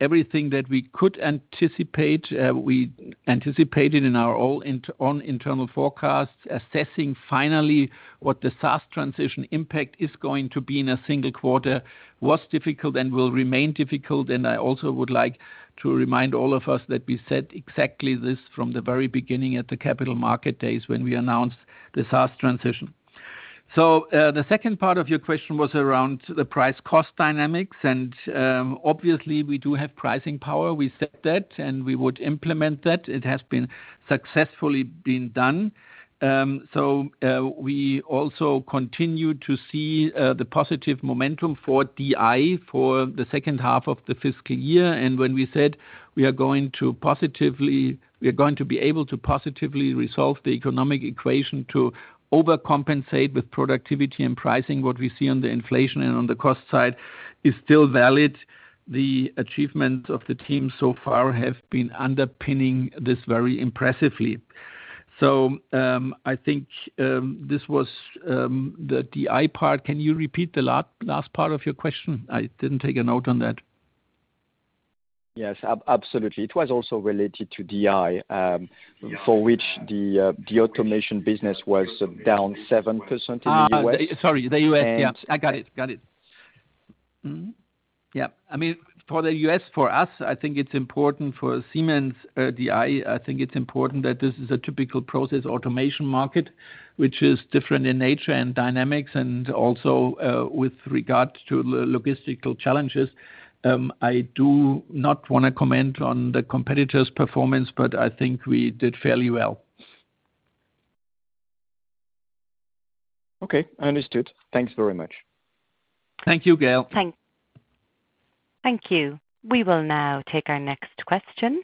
everything that we could anticipate, we anticipated in our own internal forecast. Assessing finally what the SaaS transition impact is going to be in a single quarter was difficult and will remain difficult. I also would like to remind all of us that we said exactly this from the very beginning at the capital market days when we announced the SaaS transition. The second part of your question was around the price cost dynamics. Obviously, we do have pricing power. We said that, and we would implement that. It has been successfully done. We also continue to see the positive momentum for DI for the second half of the fiscal year. When we said we are going to positively, we are going to be able to positively resolve the economic equation to overcompensate with productivity and pricing what we see on the inflation and on the cost side is still valid. The achievements of the team so far have been underpinning this very impressively. I think this was the DI part. Can you repeat the last part of your question? I didn't take a note on that. Yes. Absolutely. It was also related to DI, for which the automation business was down 7% in the U.S. Sorry, the U.S. Yeah. And- I got it. Yeah. I mean, for the US, for us, I think it's important for Siemens, DI, I think it's important that this is a typical process automation market, which is different in nature and dynamics and also, with regard to logistical challenges. I do not wanna comment on the competitor's performance, but I think we did fairly well. Okay. Understood. Thanks very much. Thank you, Gaël. Thanks. Thank you. We will now take our next question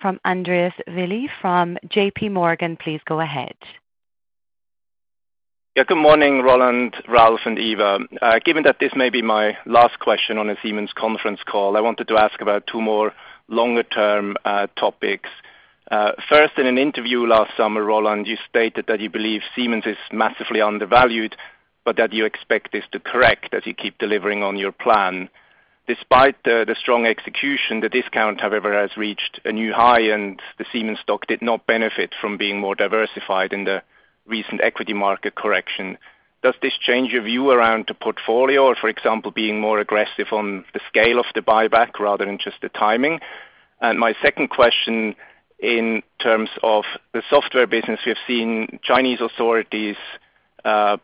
from Andreas Willi from JPMorgan. Please go ahead. Yeah. Good morning, Roland, Ralf, and Eva. Given that this may be my last question on a Siemens conference call, I wanted to ask about two more longer-term topics. First, in an interview last summer, Roland, you stated that you believe Siemens is massively undervalued, but that you expect this to correct as you keep delivering on your plan. Despite the strong execution, the discount, however, has reached a new high, and the Siemens stock did not benefit from being more diversified in the recent equity market correction. Does this change your view around the portfolio, for example, being more aggressive on the scale of the buyback rather than just the timing? And my second question, in terms of the software business, we have seen Chinese authorities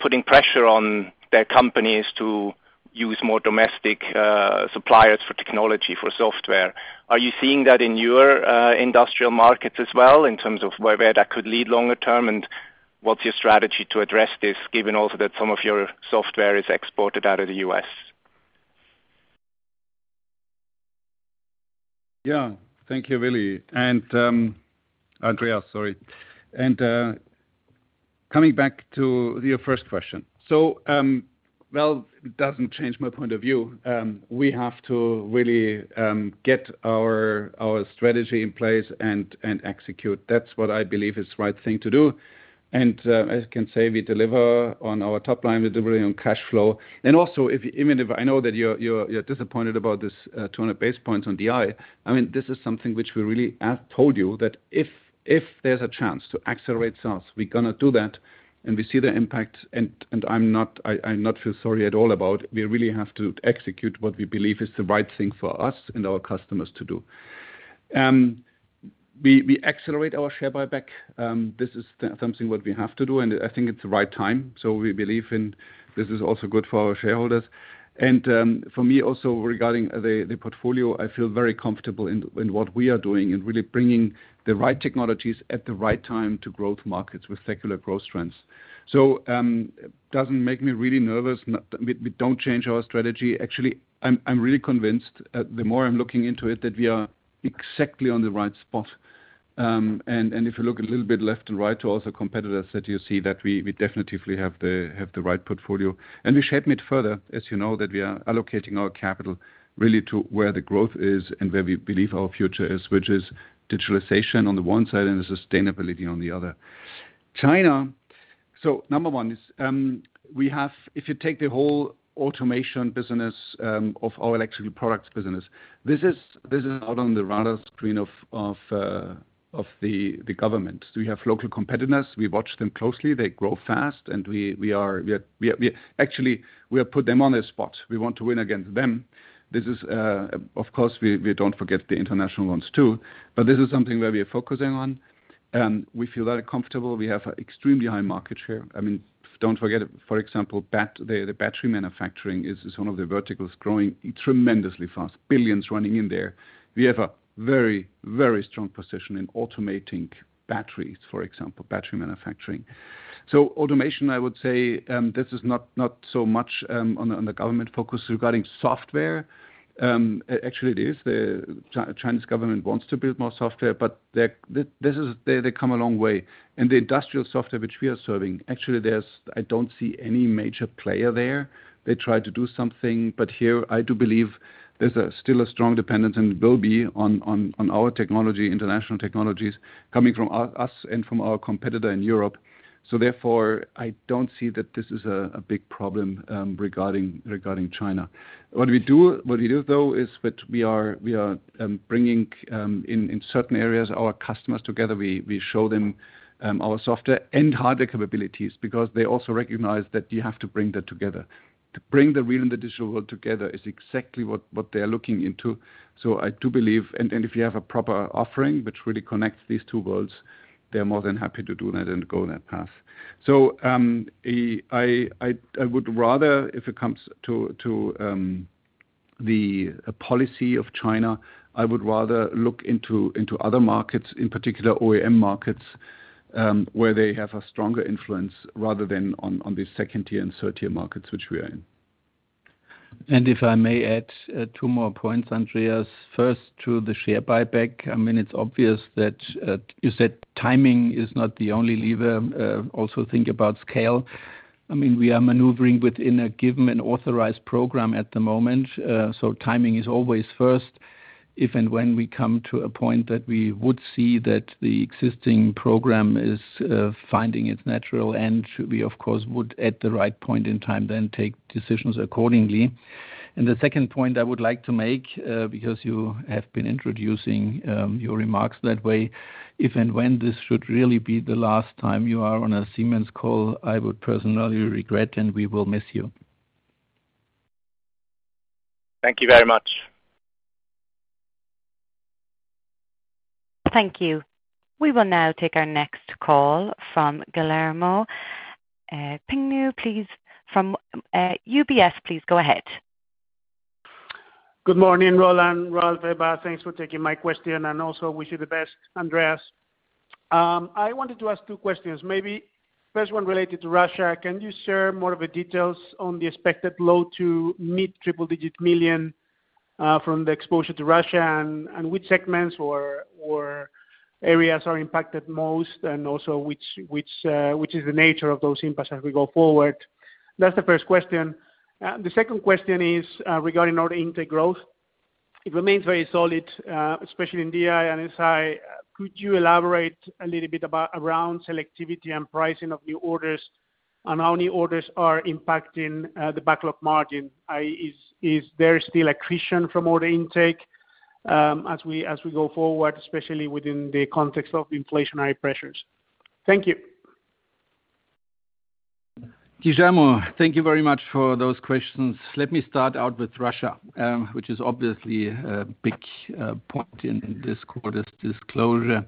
putting pressure on their companies to use more domestic suppliers for technology, for software. Are you seeing that in your industrial markets as well, in terms of where that could lead longer term, and what's your strategy to address this, given also that some of your software is exported out of the US? Yeah. Thank you, Willi. Andreas, sorry. Coming back to your first question. Well, it doesn't change my point of view. We have to really get our strategy in place and execute. That's what I believe is the right thing to do. As you can see, we deliver on our top line, we deliver on cash flow. Also, if I know that you're disappointed about this 200 basis points on DI, I mean, this is something which we really have told you, that if there's a chance to accelerate sales, we're gonna do that, and we see the impact, and I'm not feeling sorry at all about. We really have to execute what we believe is the right thing for us and our customers to do. We accelerate our share buyback. This is what we have to do, and I think it's the right time. We believe in this is also good for our shareholders. For me also regarding the portfolio, I feel very comfortable in what we are doing in really bringing the right technologies at the right time to growth markets with secular growth trends. Doesn't make me really nervous. We don't change our strategy. Actually, I'm really convinced, the more I'm looking into it, that we are exactly on the right spot. If you look a little bit left and right to also competitors that you see that we definitively have the right portfolio. We shape it further, as you know, that we are allocating our capital really to where the growth is and where we believe our future is, which is digitalization on the one side and the sustainability on the other. China. Number one is, if you take the whole automation business of our electrical products business, this is out on the radar screen of the government. We have local competitors. We watch them closely. They grow fast, and we actually have put them on the spot. We want to win against them. This is, of course, we don't forget the international ones too, but this is something where we are focusing on, and we feel very comfortable. We have extremely high market share. I mean, don't forget, for example, battery manufacturing is one of the verticals growing tremendously fast, billions running in there. We have a very strong position in automating batteries, for example, battery manufacturing. Automation, I would say, this is not so much on the government focus. Regarding software, actually it is. The Chinese government wants to build more software, but they come a long way. In the industrial software which we are serving, actually, there's, I don't see any major player there. They try to do something, but here I do believe there's still a strong dependence and will be on our technology, international technologies coming from us and from our competitor in Europe. Therefore, I don't see that this is a big problem regarding China. What we do though is that we are bringing in certain areas our customers together. We show them our software and hardware capabilities because they also recognize that you have to bring that together. To bring the real and the digital world together is exactly what they are looking into. I do believe if you have a proper offering which really connects these two worlds, they're more than happy to do that and go that path. I would rather if it comes to the policy of China, I would rather look into other markets, in particular OEM markets, where they have a stronger influence rather than on the second-tier and third-tier markets which we are in. If I may add two more points, Andreas. First, to the share buyback. I mean, it's obvious that you said timing is not the only lever. Also think about scale. I mean, we are maneuvering within a given authorized program at the moment, so timing is always first. If and when we come to a point that we would see that the existing program is finding its natural end, we of course would at the right point in time then take decisions accordingly. And the second point I would like to make, because you have been introducing your remarks that way, if and when this should really be the last time you are on a Siemens call, I would personally regret, and we will miss you. Thank you very much. Thank you. We will now take our next call from Guillermo Peigneux Lojo, please, from UBS, please go ahead. Good morning, Roland, Ralf, Eva. Thanks for taking my question, and also wish you the best, Andreas. I wanted to ask two questions, maybe first one related to Russia. Can you share more of the details on the expected low to mid-triple-digit million EUR from the exposure to Russia and which segments or areas are impacted most and also which is the nature of those impacts as we go forward? That's the first question. The second question is regarding order intake growth. It remains very solid, especially in DI and SI. Could you elaborate a little bit about around selectivity and pricing of new orders and how new orders are impacting the backlog margin? Is there still accretion from order intake as we go forward, especially within the context of inflationary pressures? Thank you. Guillermo, thank you very much for those questions. Let me start out with Russia, which is obviously a big point in this quarter's disclosure.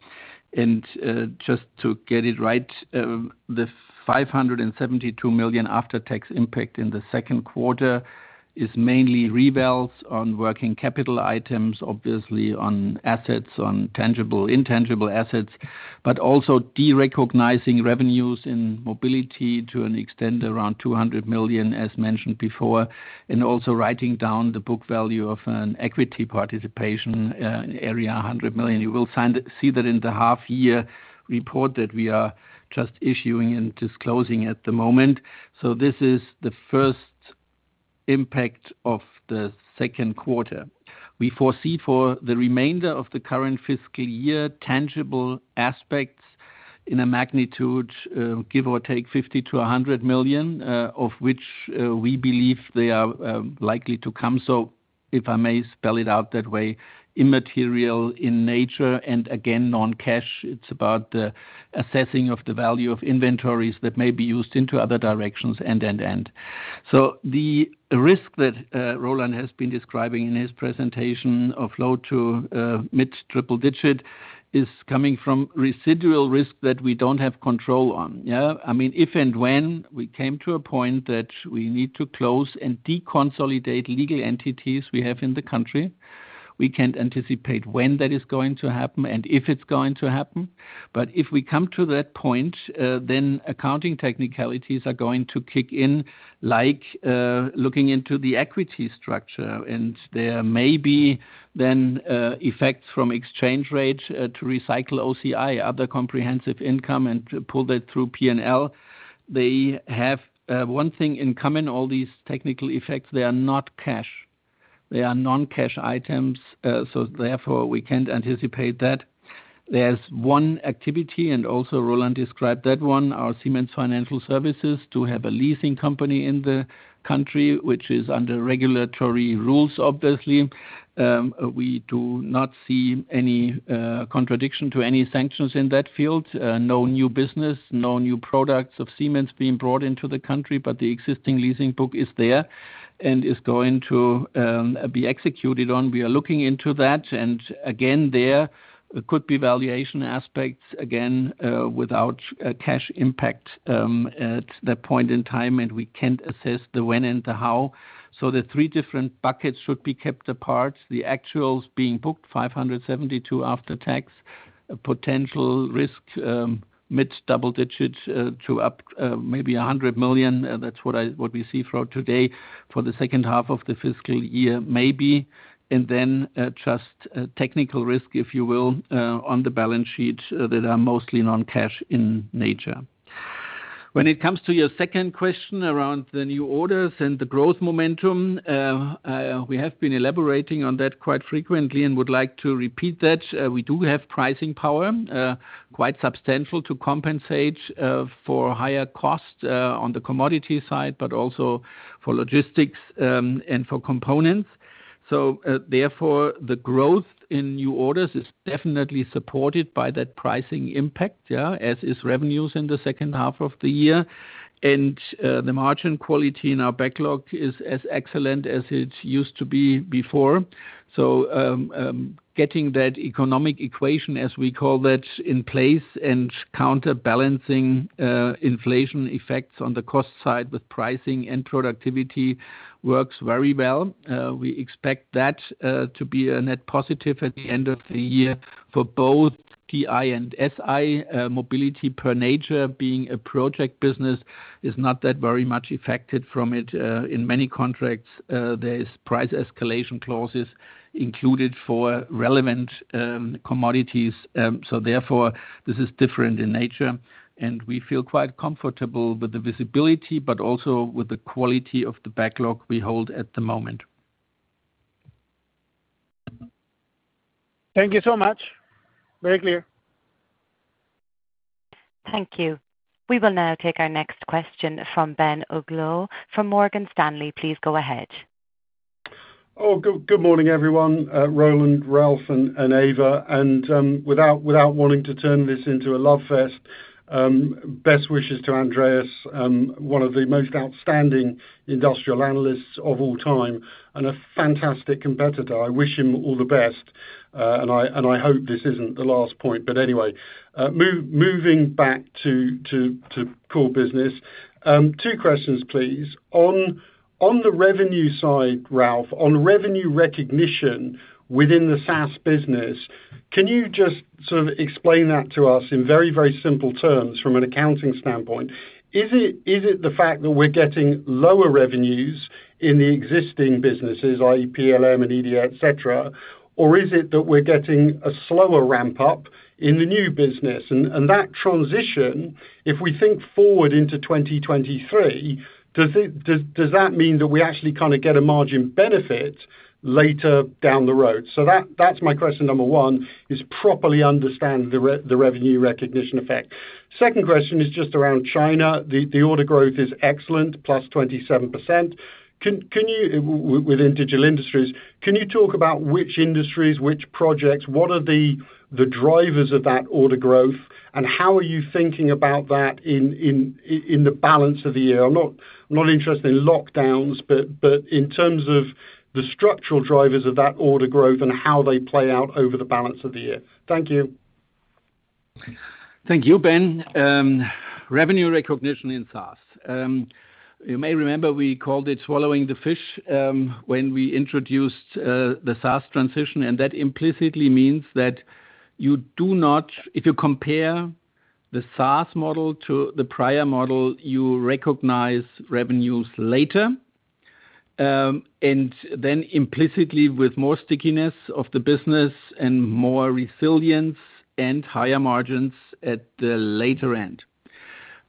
Just to get it right, the 572 million after-tax impact in the second quarter is mainly reversals on working capital items, obviously on assets, on tangible, intangible assets, but also derecognizing revenues in Mobility to an extent around 200 million, as mentioned before, and also writing down the book value of an equity participation, in the area 100 million. You will see that in the half-year report that we are just issuing and disclosing at the moment. This is the first impact of the second quarter. We foresee for the remainder of the current fiscal year tangible aspects in a magnitude, give or take 50 million-100 million, of which, we believe they are, likely to come. If I may spell it out that way, immaterial in nature and again, non-cash. It's about the assessing of the value of inventories that may be used into other directions, and. The risk that, Roland has been describing in his presentation of low- to mid-triple-digit is coming from residual risk that we don't have control on. Yeah. I mean, if and when we came to a point that we need to close and deconsolidate legal entities we have in the country, we can't anticipate when that is going to happen and if it's going to happen. If we come to that point, then accounting technicalities are going to kick in like, looking into the equity structure. There may be then effects from exchange rates to recycle OCI, other comprehensive income, and pull that through P&L. They have one thing in common, all these technical effects, they are not cash. They are non-cash items. Therefore, we can't anticipate that. There's one activity, and also Roland described that one, our Siemens Financial Services, to have a leasing company in the country, which is under regulatory rules, obviously. We do not see any contradiction to any sanctions in that field. No new business, no new products of Siemens being brought into the country, but the existing leasing book is there and is going to be executed on. We are looking into that. Again, there could be valuation aspects, again, without a cash impact, at that point in time, and we can't assess the when and the how. The three different buckets should be kept apart. The actuals being booked, 572 after tax. Potential risk, mid double digits to upside, maybe 100 million. That's what we see for today for the second half of the fiscal year, maybe. Then just technical risk, if you will, on the balance sheet, that are mostly non-cash in nature. When it comes to your second question around the new orders and the growth momentum, we have been elaborating on that quite frequently and would like to repeat that. We do have pricing power, quite substantial to compensate for higher costs on the commodity side, but also for logistics and for components. Therefore, the growth in new orders is definitely supported by that pricing impact, yeah, as is revenues in the second half of the year. The margin quality in our backlog is as excellent as it used to be before. Getting that economic equation, as we call that, in place and counterbalancing inflation effects on the cost side with pricing and productivity works very well. We expect that to be a net positive at the end of the year for both DI and SI. Mobility by nature being a project business is not that very much affected from it. In many contracts, there is price escalation clauses included for relevant commodities. Therefore, this is different in nature, and we feel quite comfortable with the visibility, but also with the quality of the backlog we hold at the moment. Thank you so much. Very clear. Thank you. We will now take our next question from Ben Uglow from Morgan Stanley. Please go ahead. Good morning, everyone, Roland, Ralf, and Eva. Without wanting to turn this into a love fest, best wishes to Andreas, one of the most outstanding industrial analysts of all time and a fantastic competitor. I wish him all the best, and I hope this isn't the last point. Anyway, moving back to core business. Two questions, please. On the revenue side, Ralf, on revenue recognition within the SaaS business. Can you just sort of explain that to us in very simple terms from an accounting standpoint? Is it the fact that we're getting lower revenues in the existing businesses, i.e. PLM, EDA, et cetera? Or is it that we're getting a slower ramp-up in the new business? That transition, if we think forward into 2023, does that mean that we actually kinda get a margin benefit later down the road? That's my question number one, is properly understand the revenue recognition effect. Second question is just around China. The order growth is excellent, +27%. Can you, within Digital Industries, talk about which industries, which projects, what are the drivers of that order growth, and how are you thinking about that in the balance of the year? I'm not interested in lockdowns, but in terms of the structural drivers of that order growth and how they play out over the balance of the year. Thank you. Thank you, Ben. Revenue recognition in SaaS. You may remember we called it swallowing the fish, when we introduced the SaaS transition, and that implicitly means that if you compare the SaaS model to the prior model, you recognize revenues later, and then implicitly with more stickiness of the business and more resilience and higher margins at the later end.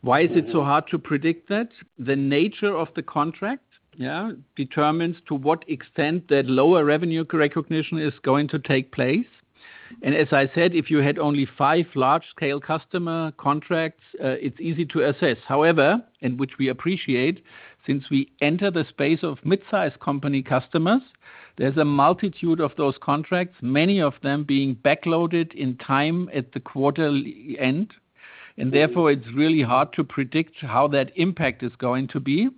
Why is it so hard to predict that? The nature of the contract, yeah, determines to what extent that lower revenue recognition is going to take place. As I said, if you had only five large-scale customer contracts, it's easy to assess. However, and which we appreciate, since we enter the space of mid-sized company customers, there's a multitude of those contracts, many of them being backloaded in time at the quarterly end. Therefore, it's really hard to predict how that impact is going to be.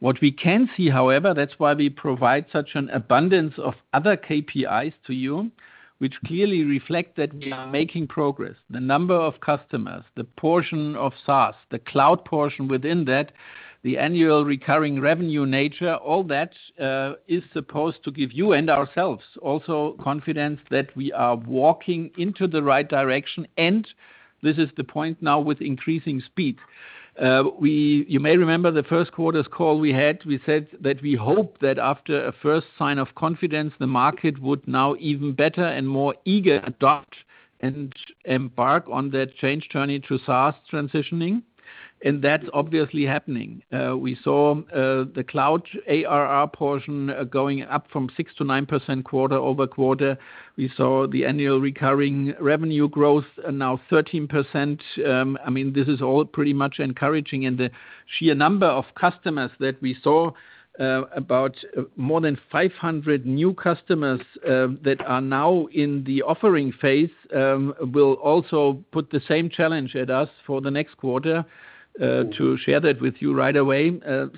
What we can see, however, that's why we provide such an abundance of other KPIs to you, which clearly reflect that we are making progress. The number of customers, the portion of SaaS, the cloud portion within that, the annual recurring revenue nature, all that, is supposed to give you and ourselves also confidence that we are walking into the right direction, and this is the point now with increasing speed. You may remember the first quarter's call we had, we said that we hope that after a first sign of confidence, the market would now even better and more eager adopt and embark on that change journey to SaaS transitioning, and that's obviously happening. We saw the cloud ARR portion going up from 6% to 9% quarter-over-quarter. We saw the annual recurring revenue growth now 13%. I mean, this is all pretty much encouraging. The sheer number of customers that we saw, about more than 500 new customers that are now in the offering phase, will also put the same challenge at us for the next quarter to share that with you right away.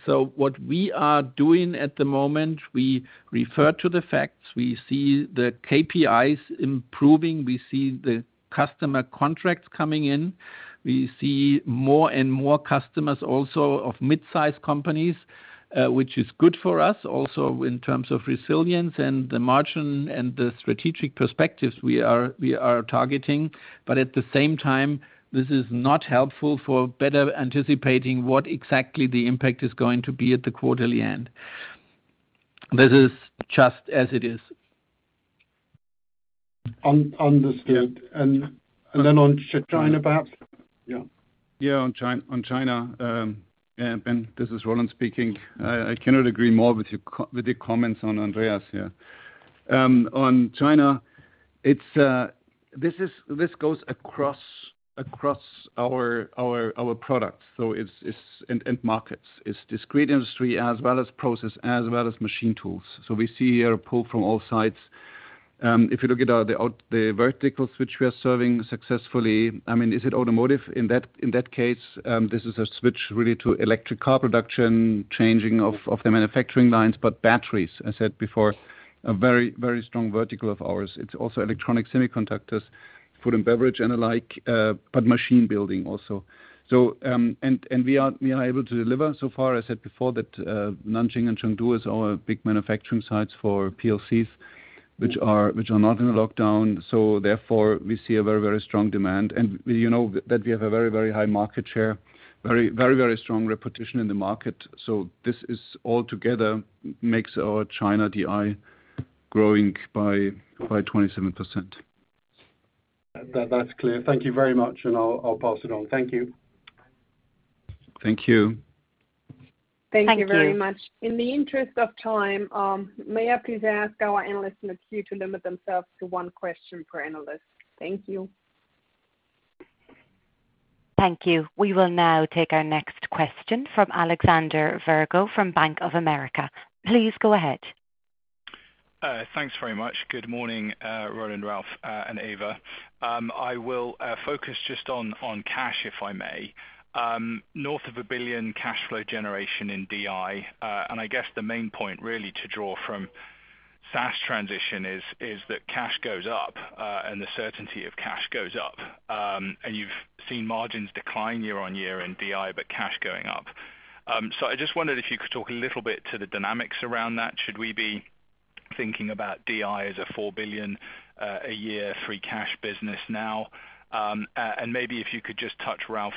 What we are doing at the moment, we refer to the facts. We see the KPIs improving. We see the customer contracts coming in. We see more and more customers also of mid-size companies, which is good for us also in terms of resilience and the margin and the strategic perspectives we are targeting. at the same time, this is not helpful for better anticipating what exactly the impact is going to be at the quarterly end. This is just as it is. Un-understood. Yeah. On China perhaps? Yeah. Yeah, on China, yeah, Ben, this is Roland speaking. I cannot agree more with your comments on Andreas, yeah. On China, it's this goes across our products, so it's and markets. It's discrete industry as well as process, as well as machine tools. We see here a pull from all sides. If you look at the verticals which we are serving successfully, I mean, is it automotive? In that case, this is a switch really to electric car production, changing of the manufacturing lines. Batteries, I said before, a very, very strong vertical of ours. It's also electronics, semiconductors, food and beverage and the like, but machine building also. And we are able to deliver so far. I said before that Nanjing and Chengdu are our big manufacturing sites for PLCs, which are not in a lockdown. Therefore, we see a very strong demand. You know that we have a very high market share, very strong reputation in the market. This altogether makes our China DI growing by 27%. That, that's clear. Thank you very much, and I'll pass it on. Thank you. Thank you. Thank you. Thank you very much. In the interest of time, may I please ask our analysts in the queue to limit themselves to one question per analyst. Thank you. Thank you. We will now take our next question from Alexander Virgo from Bank of America. Please go ahead. Thanks very much. Good morning, Roland, Ralf, and Eva. I will focus just on cash, if I may. North of 1 billion cash flow generation in DI, and I guess the main point really to draw from SaaS transition is that cash goes up, and the certainty of cash goes up. You've seen margins decline year-over-year in DI, but cash going up. I just wondered if you could talk a little bit to the dynamics around that. Should we be thinking about DI as a 4 billion a year free cash business now. Maybe if you could just touch, Ralf,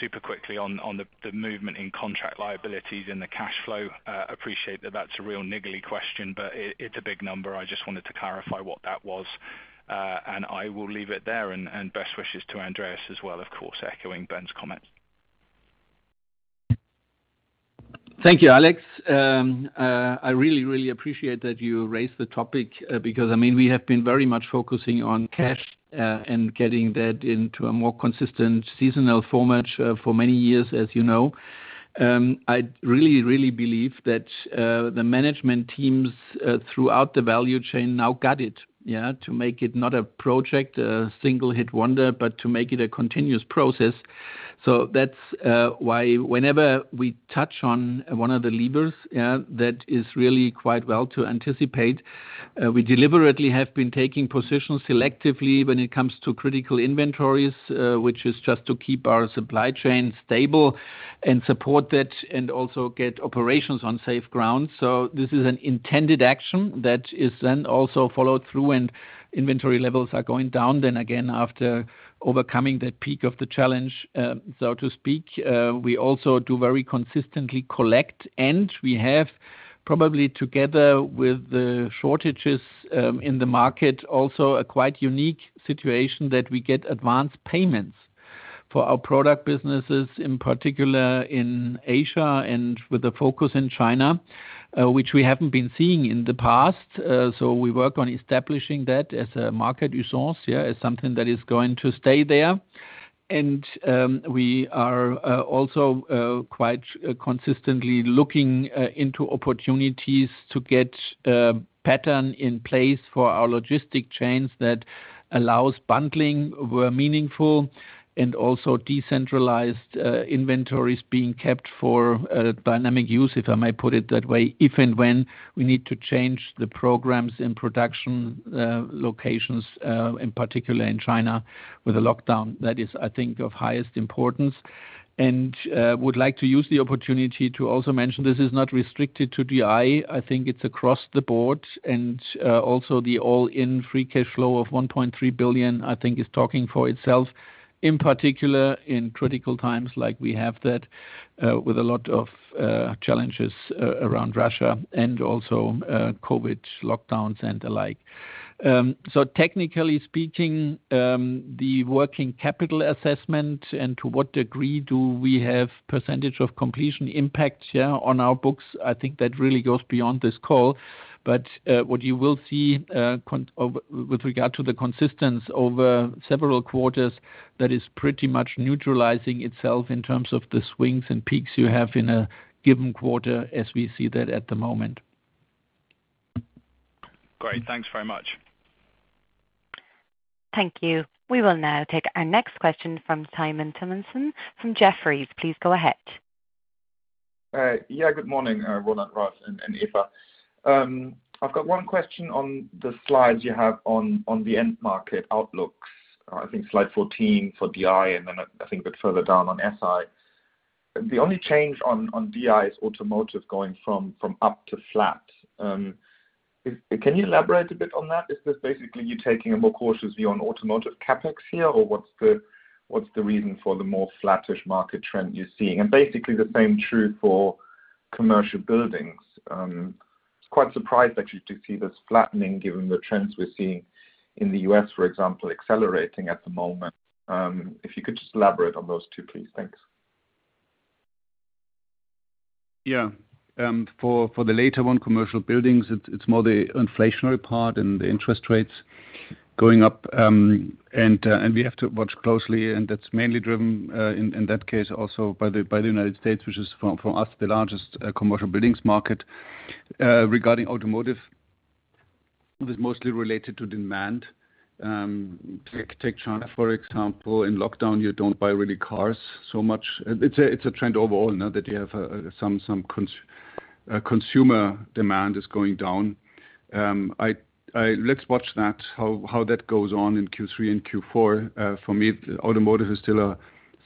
super quickly on the movement in contract liabilities in the cash flow. Appreciate that that's a real niggly question, but it's a big number. I just wanted to clarify what that was. I will leave it there, and best wishes to Andreas as well, of course, echoing Ben's comments. Thank you, Alex. I really, really appreciate that you raised the topic, because, I mean, we have been very much focusing on cash, and getting that into a more consistent seasonal format, for many years, as you know. I really, really believe that, the management teams, throughout the value chain now got it, yeah, to make it not a project, a one-hit wonder, but to make it a continuous process. That's why whenever we touch on one of the levers, yeah, that is really quite well anticipated. We deliberately have been taking positions selectively when it comes to critical inventories, which is just to keep our supply chain stable and support it and also get operations on safe ground. This is an intended action that is then also followed through, and inventory levels are going down then again after overcoming that peak of the challenge. We also do very consistently collect, and we have probably together with the shortages in the market also a quite unique situation that we get advanced payments for our product businesses, in particular in Asia and with a focus in China, which we haven't been seeing in the past. We work on establishing that as a market resource, as something that is going to stay there. We are also quite consistently looking into opportunities to get a pattern in place for our logistics chains that allows bundling where meaningful and also decentralized inventories being kept for dynamic use, if I may put it that way. If and when we need to change the programs and production locations, in particular in China with the lockdown. That is, I think, of highest importance. I would like to use the opportunity to also mention this is not restricted to DI. I think it's across the board. Also the all-in free cash flow of 1.3 billion, I think is speaking for itself, in particular in critical times like we have that, with a lot of challenges around Russia and also COVID lockdowns and the like. Technically speaking, the working capital assessment and to what degree do we have percentage of completion impact on our books, I think that really goes beyond this call. What you will see, with regard to the consistency over several quarters, that is pretty much neutralizing itself in terms of the swings and peaks you have in a given quarter as we see that at the moment. Great. Thanks very much. Thank you. We will now take our next question from Simon Toennessen from Jefferies. Please go ahead. Yeah, good morning, Roland, Ralf, and Eva. I've got one question on the slides you have on the end market outlooks. I think slide 14 for DI and then I think a bit further down on SI. The only change on DI is automotive going from up to flat. Can you elaborate a bit on that? Is this basically you taking a more cautious view on automotive CapEx here, or what's the reason for the more flattish market trend you're seeing? Basically the same true for commercial buildings. Was quite surprised actually to see this flattening given the trends we're seeing in the U.S., for example, accelerating at the moment. If you could just elaborate on those two, please. Thanks. For the later one, commercial buildings, it's more the inflationary part and the interest rates going up. We have to watch closely, and that's mainly driven in that case also by the United States, which is for us the largest commercial buildings market. Regarding automotive, it is mostly related to demand. Take China, for example. In lockdown, you don't really buy cars so much. It's a trend overall now that some consumer demand is going down. Let's watch that, how that goes on in Q3 and Q4. For me, automotive is still a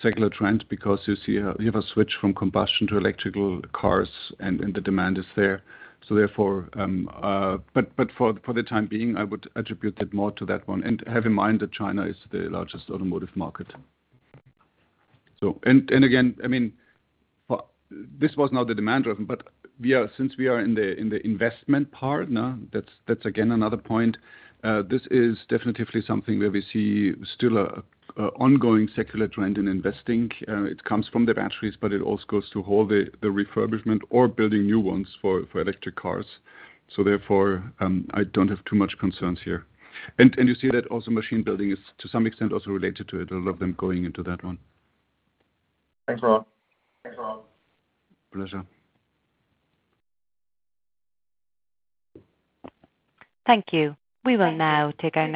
secular trend because you have a switch from combustion to electric cars, and the demand is there. Therefore, For the time being, I would attribute it more to that one. Have in mind that China is the largest automotive market. I mean, this was not the demand driven, but we are in the investment part now, that's again another point. This is definitely something where we see still an ongoing secular trend in investing. It comes from the batteries, but it also goes to the whole refurbishment or building new ones for electric cars. Therefore, I don't have too much concerns here. You see that also machine building is to some extent also related to it. A lot of them going into that one. Thanks, Ralf. Pleasure. Thank you. We will now take our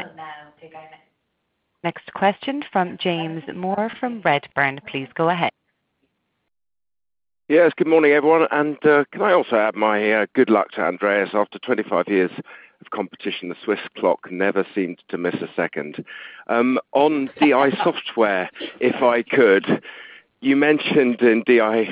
next question from James Moore from Redburn. Please go ahead. Yes, good morning, everyone. Can I also add my good luck to Andreas? After 25 years of competition, the Swiss clock never seemed to miss a second. You mentioned in DI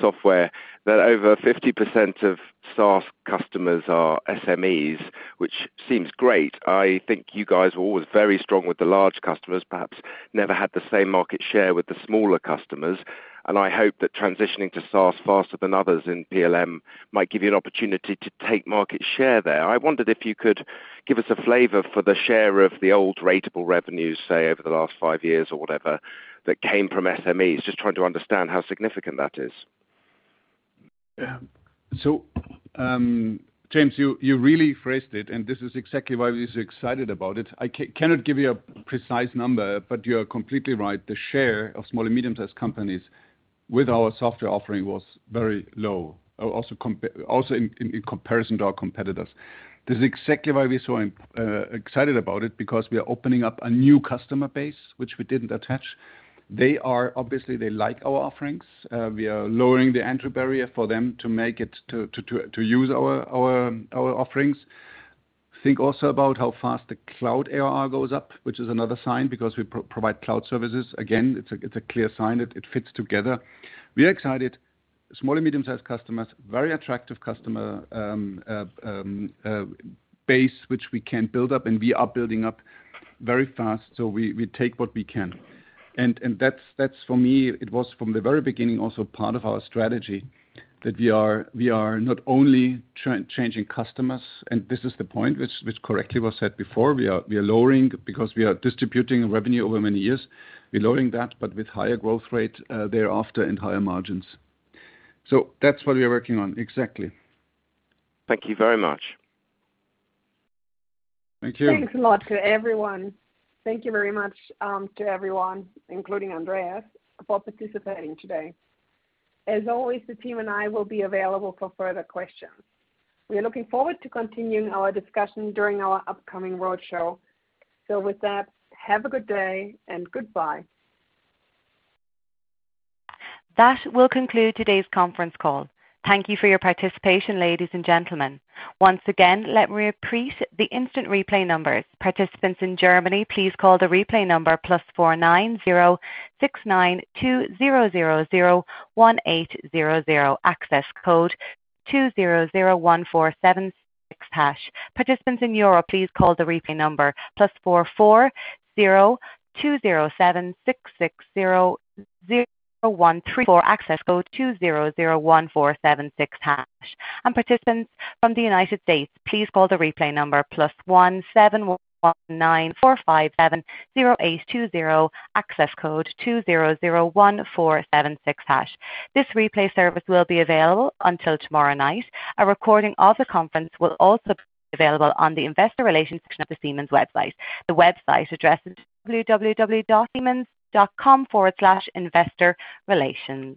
software that over 50% of SaaS customers are SMEs, which seems great. I think you guys were always very strong with the large customers, perhaps never had the same market share with the smaller customers. I hope that transitioning to SaaS faster than others in PLM might give you an opportunity to take market share there. I wondered if you could give us a flavor for the share of the old ratable revenues, say, over the last 5 years or whatever that came from SMEs. Just trying to understand how significant that is. James, you really phrased it, and this is exactly why we're so excited about it. I cannot give you a precise number, but you're completely right. The share of small and medium-sized companies with our software offering was very low. Also in comparison to our competitors. This is exactly why we're so excited about it, because we are opening up a new customer base which we didn't tap. They obviously like our offerings. We are lowering the entry barrier for them to use our offerings. Think also about how fast the cloud ARR goes up, which is another sign because we provide cloud services. Again, it's a clear sign that it fits together. We are excited. Small and medium-sized customers, very attractive customer base, which we can build up, and we are building up very fast. We take what we can. That's for me it was from the very beginning also part of our strategy that we are not only changing customers, and this is the point which correctly was said before. We are lowering because we are distributing revenue over many years. We're lowering that, but with higher growth rate thereafter and higher margins. That's what we are working on exactly. Thank you very much. Thank you. Thanks a lot to everyone. Thank you very much, to everyone, including Andreas, for participating today. As always, the team and I will be available for further questions. We are looking forward to continuing our discussion during our upcoming roadshow. With that, have a good day and goodbye. That will conclude today's conference call. Thank you for your participation, ladies and gentlemen. Once again, let me repeat the instant replay numbers. Participants in Germany, please call the replay number +496920001800, access code 2001476#. Participants in Europe, please call the replay number +442076600134, access code 2001476#. Participants from the United States, please call the replay number +17194570820, access code 2001476#. This replay service will be available until tomorrow night. A recording of the conference will also be available on the investor relations section of the Siemens website. The website address is www.siemens.com/investorrelations.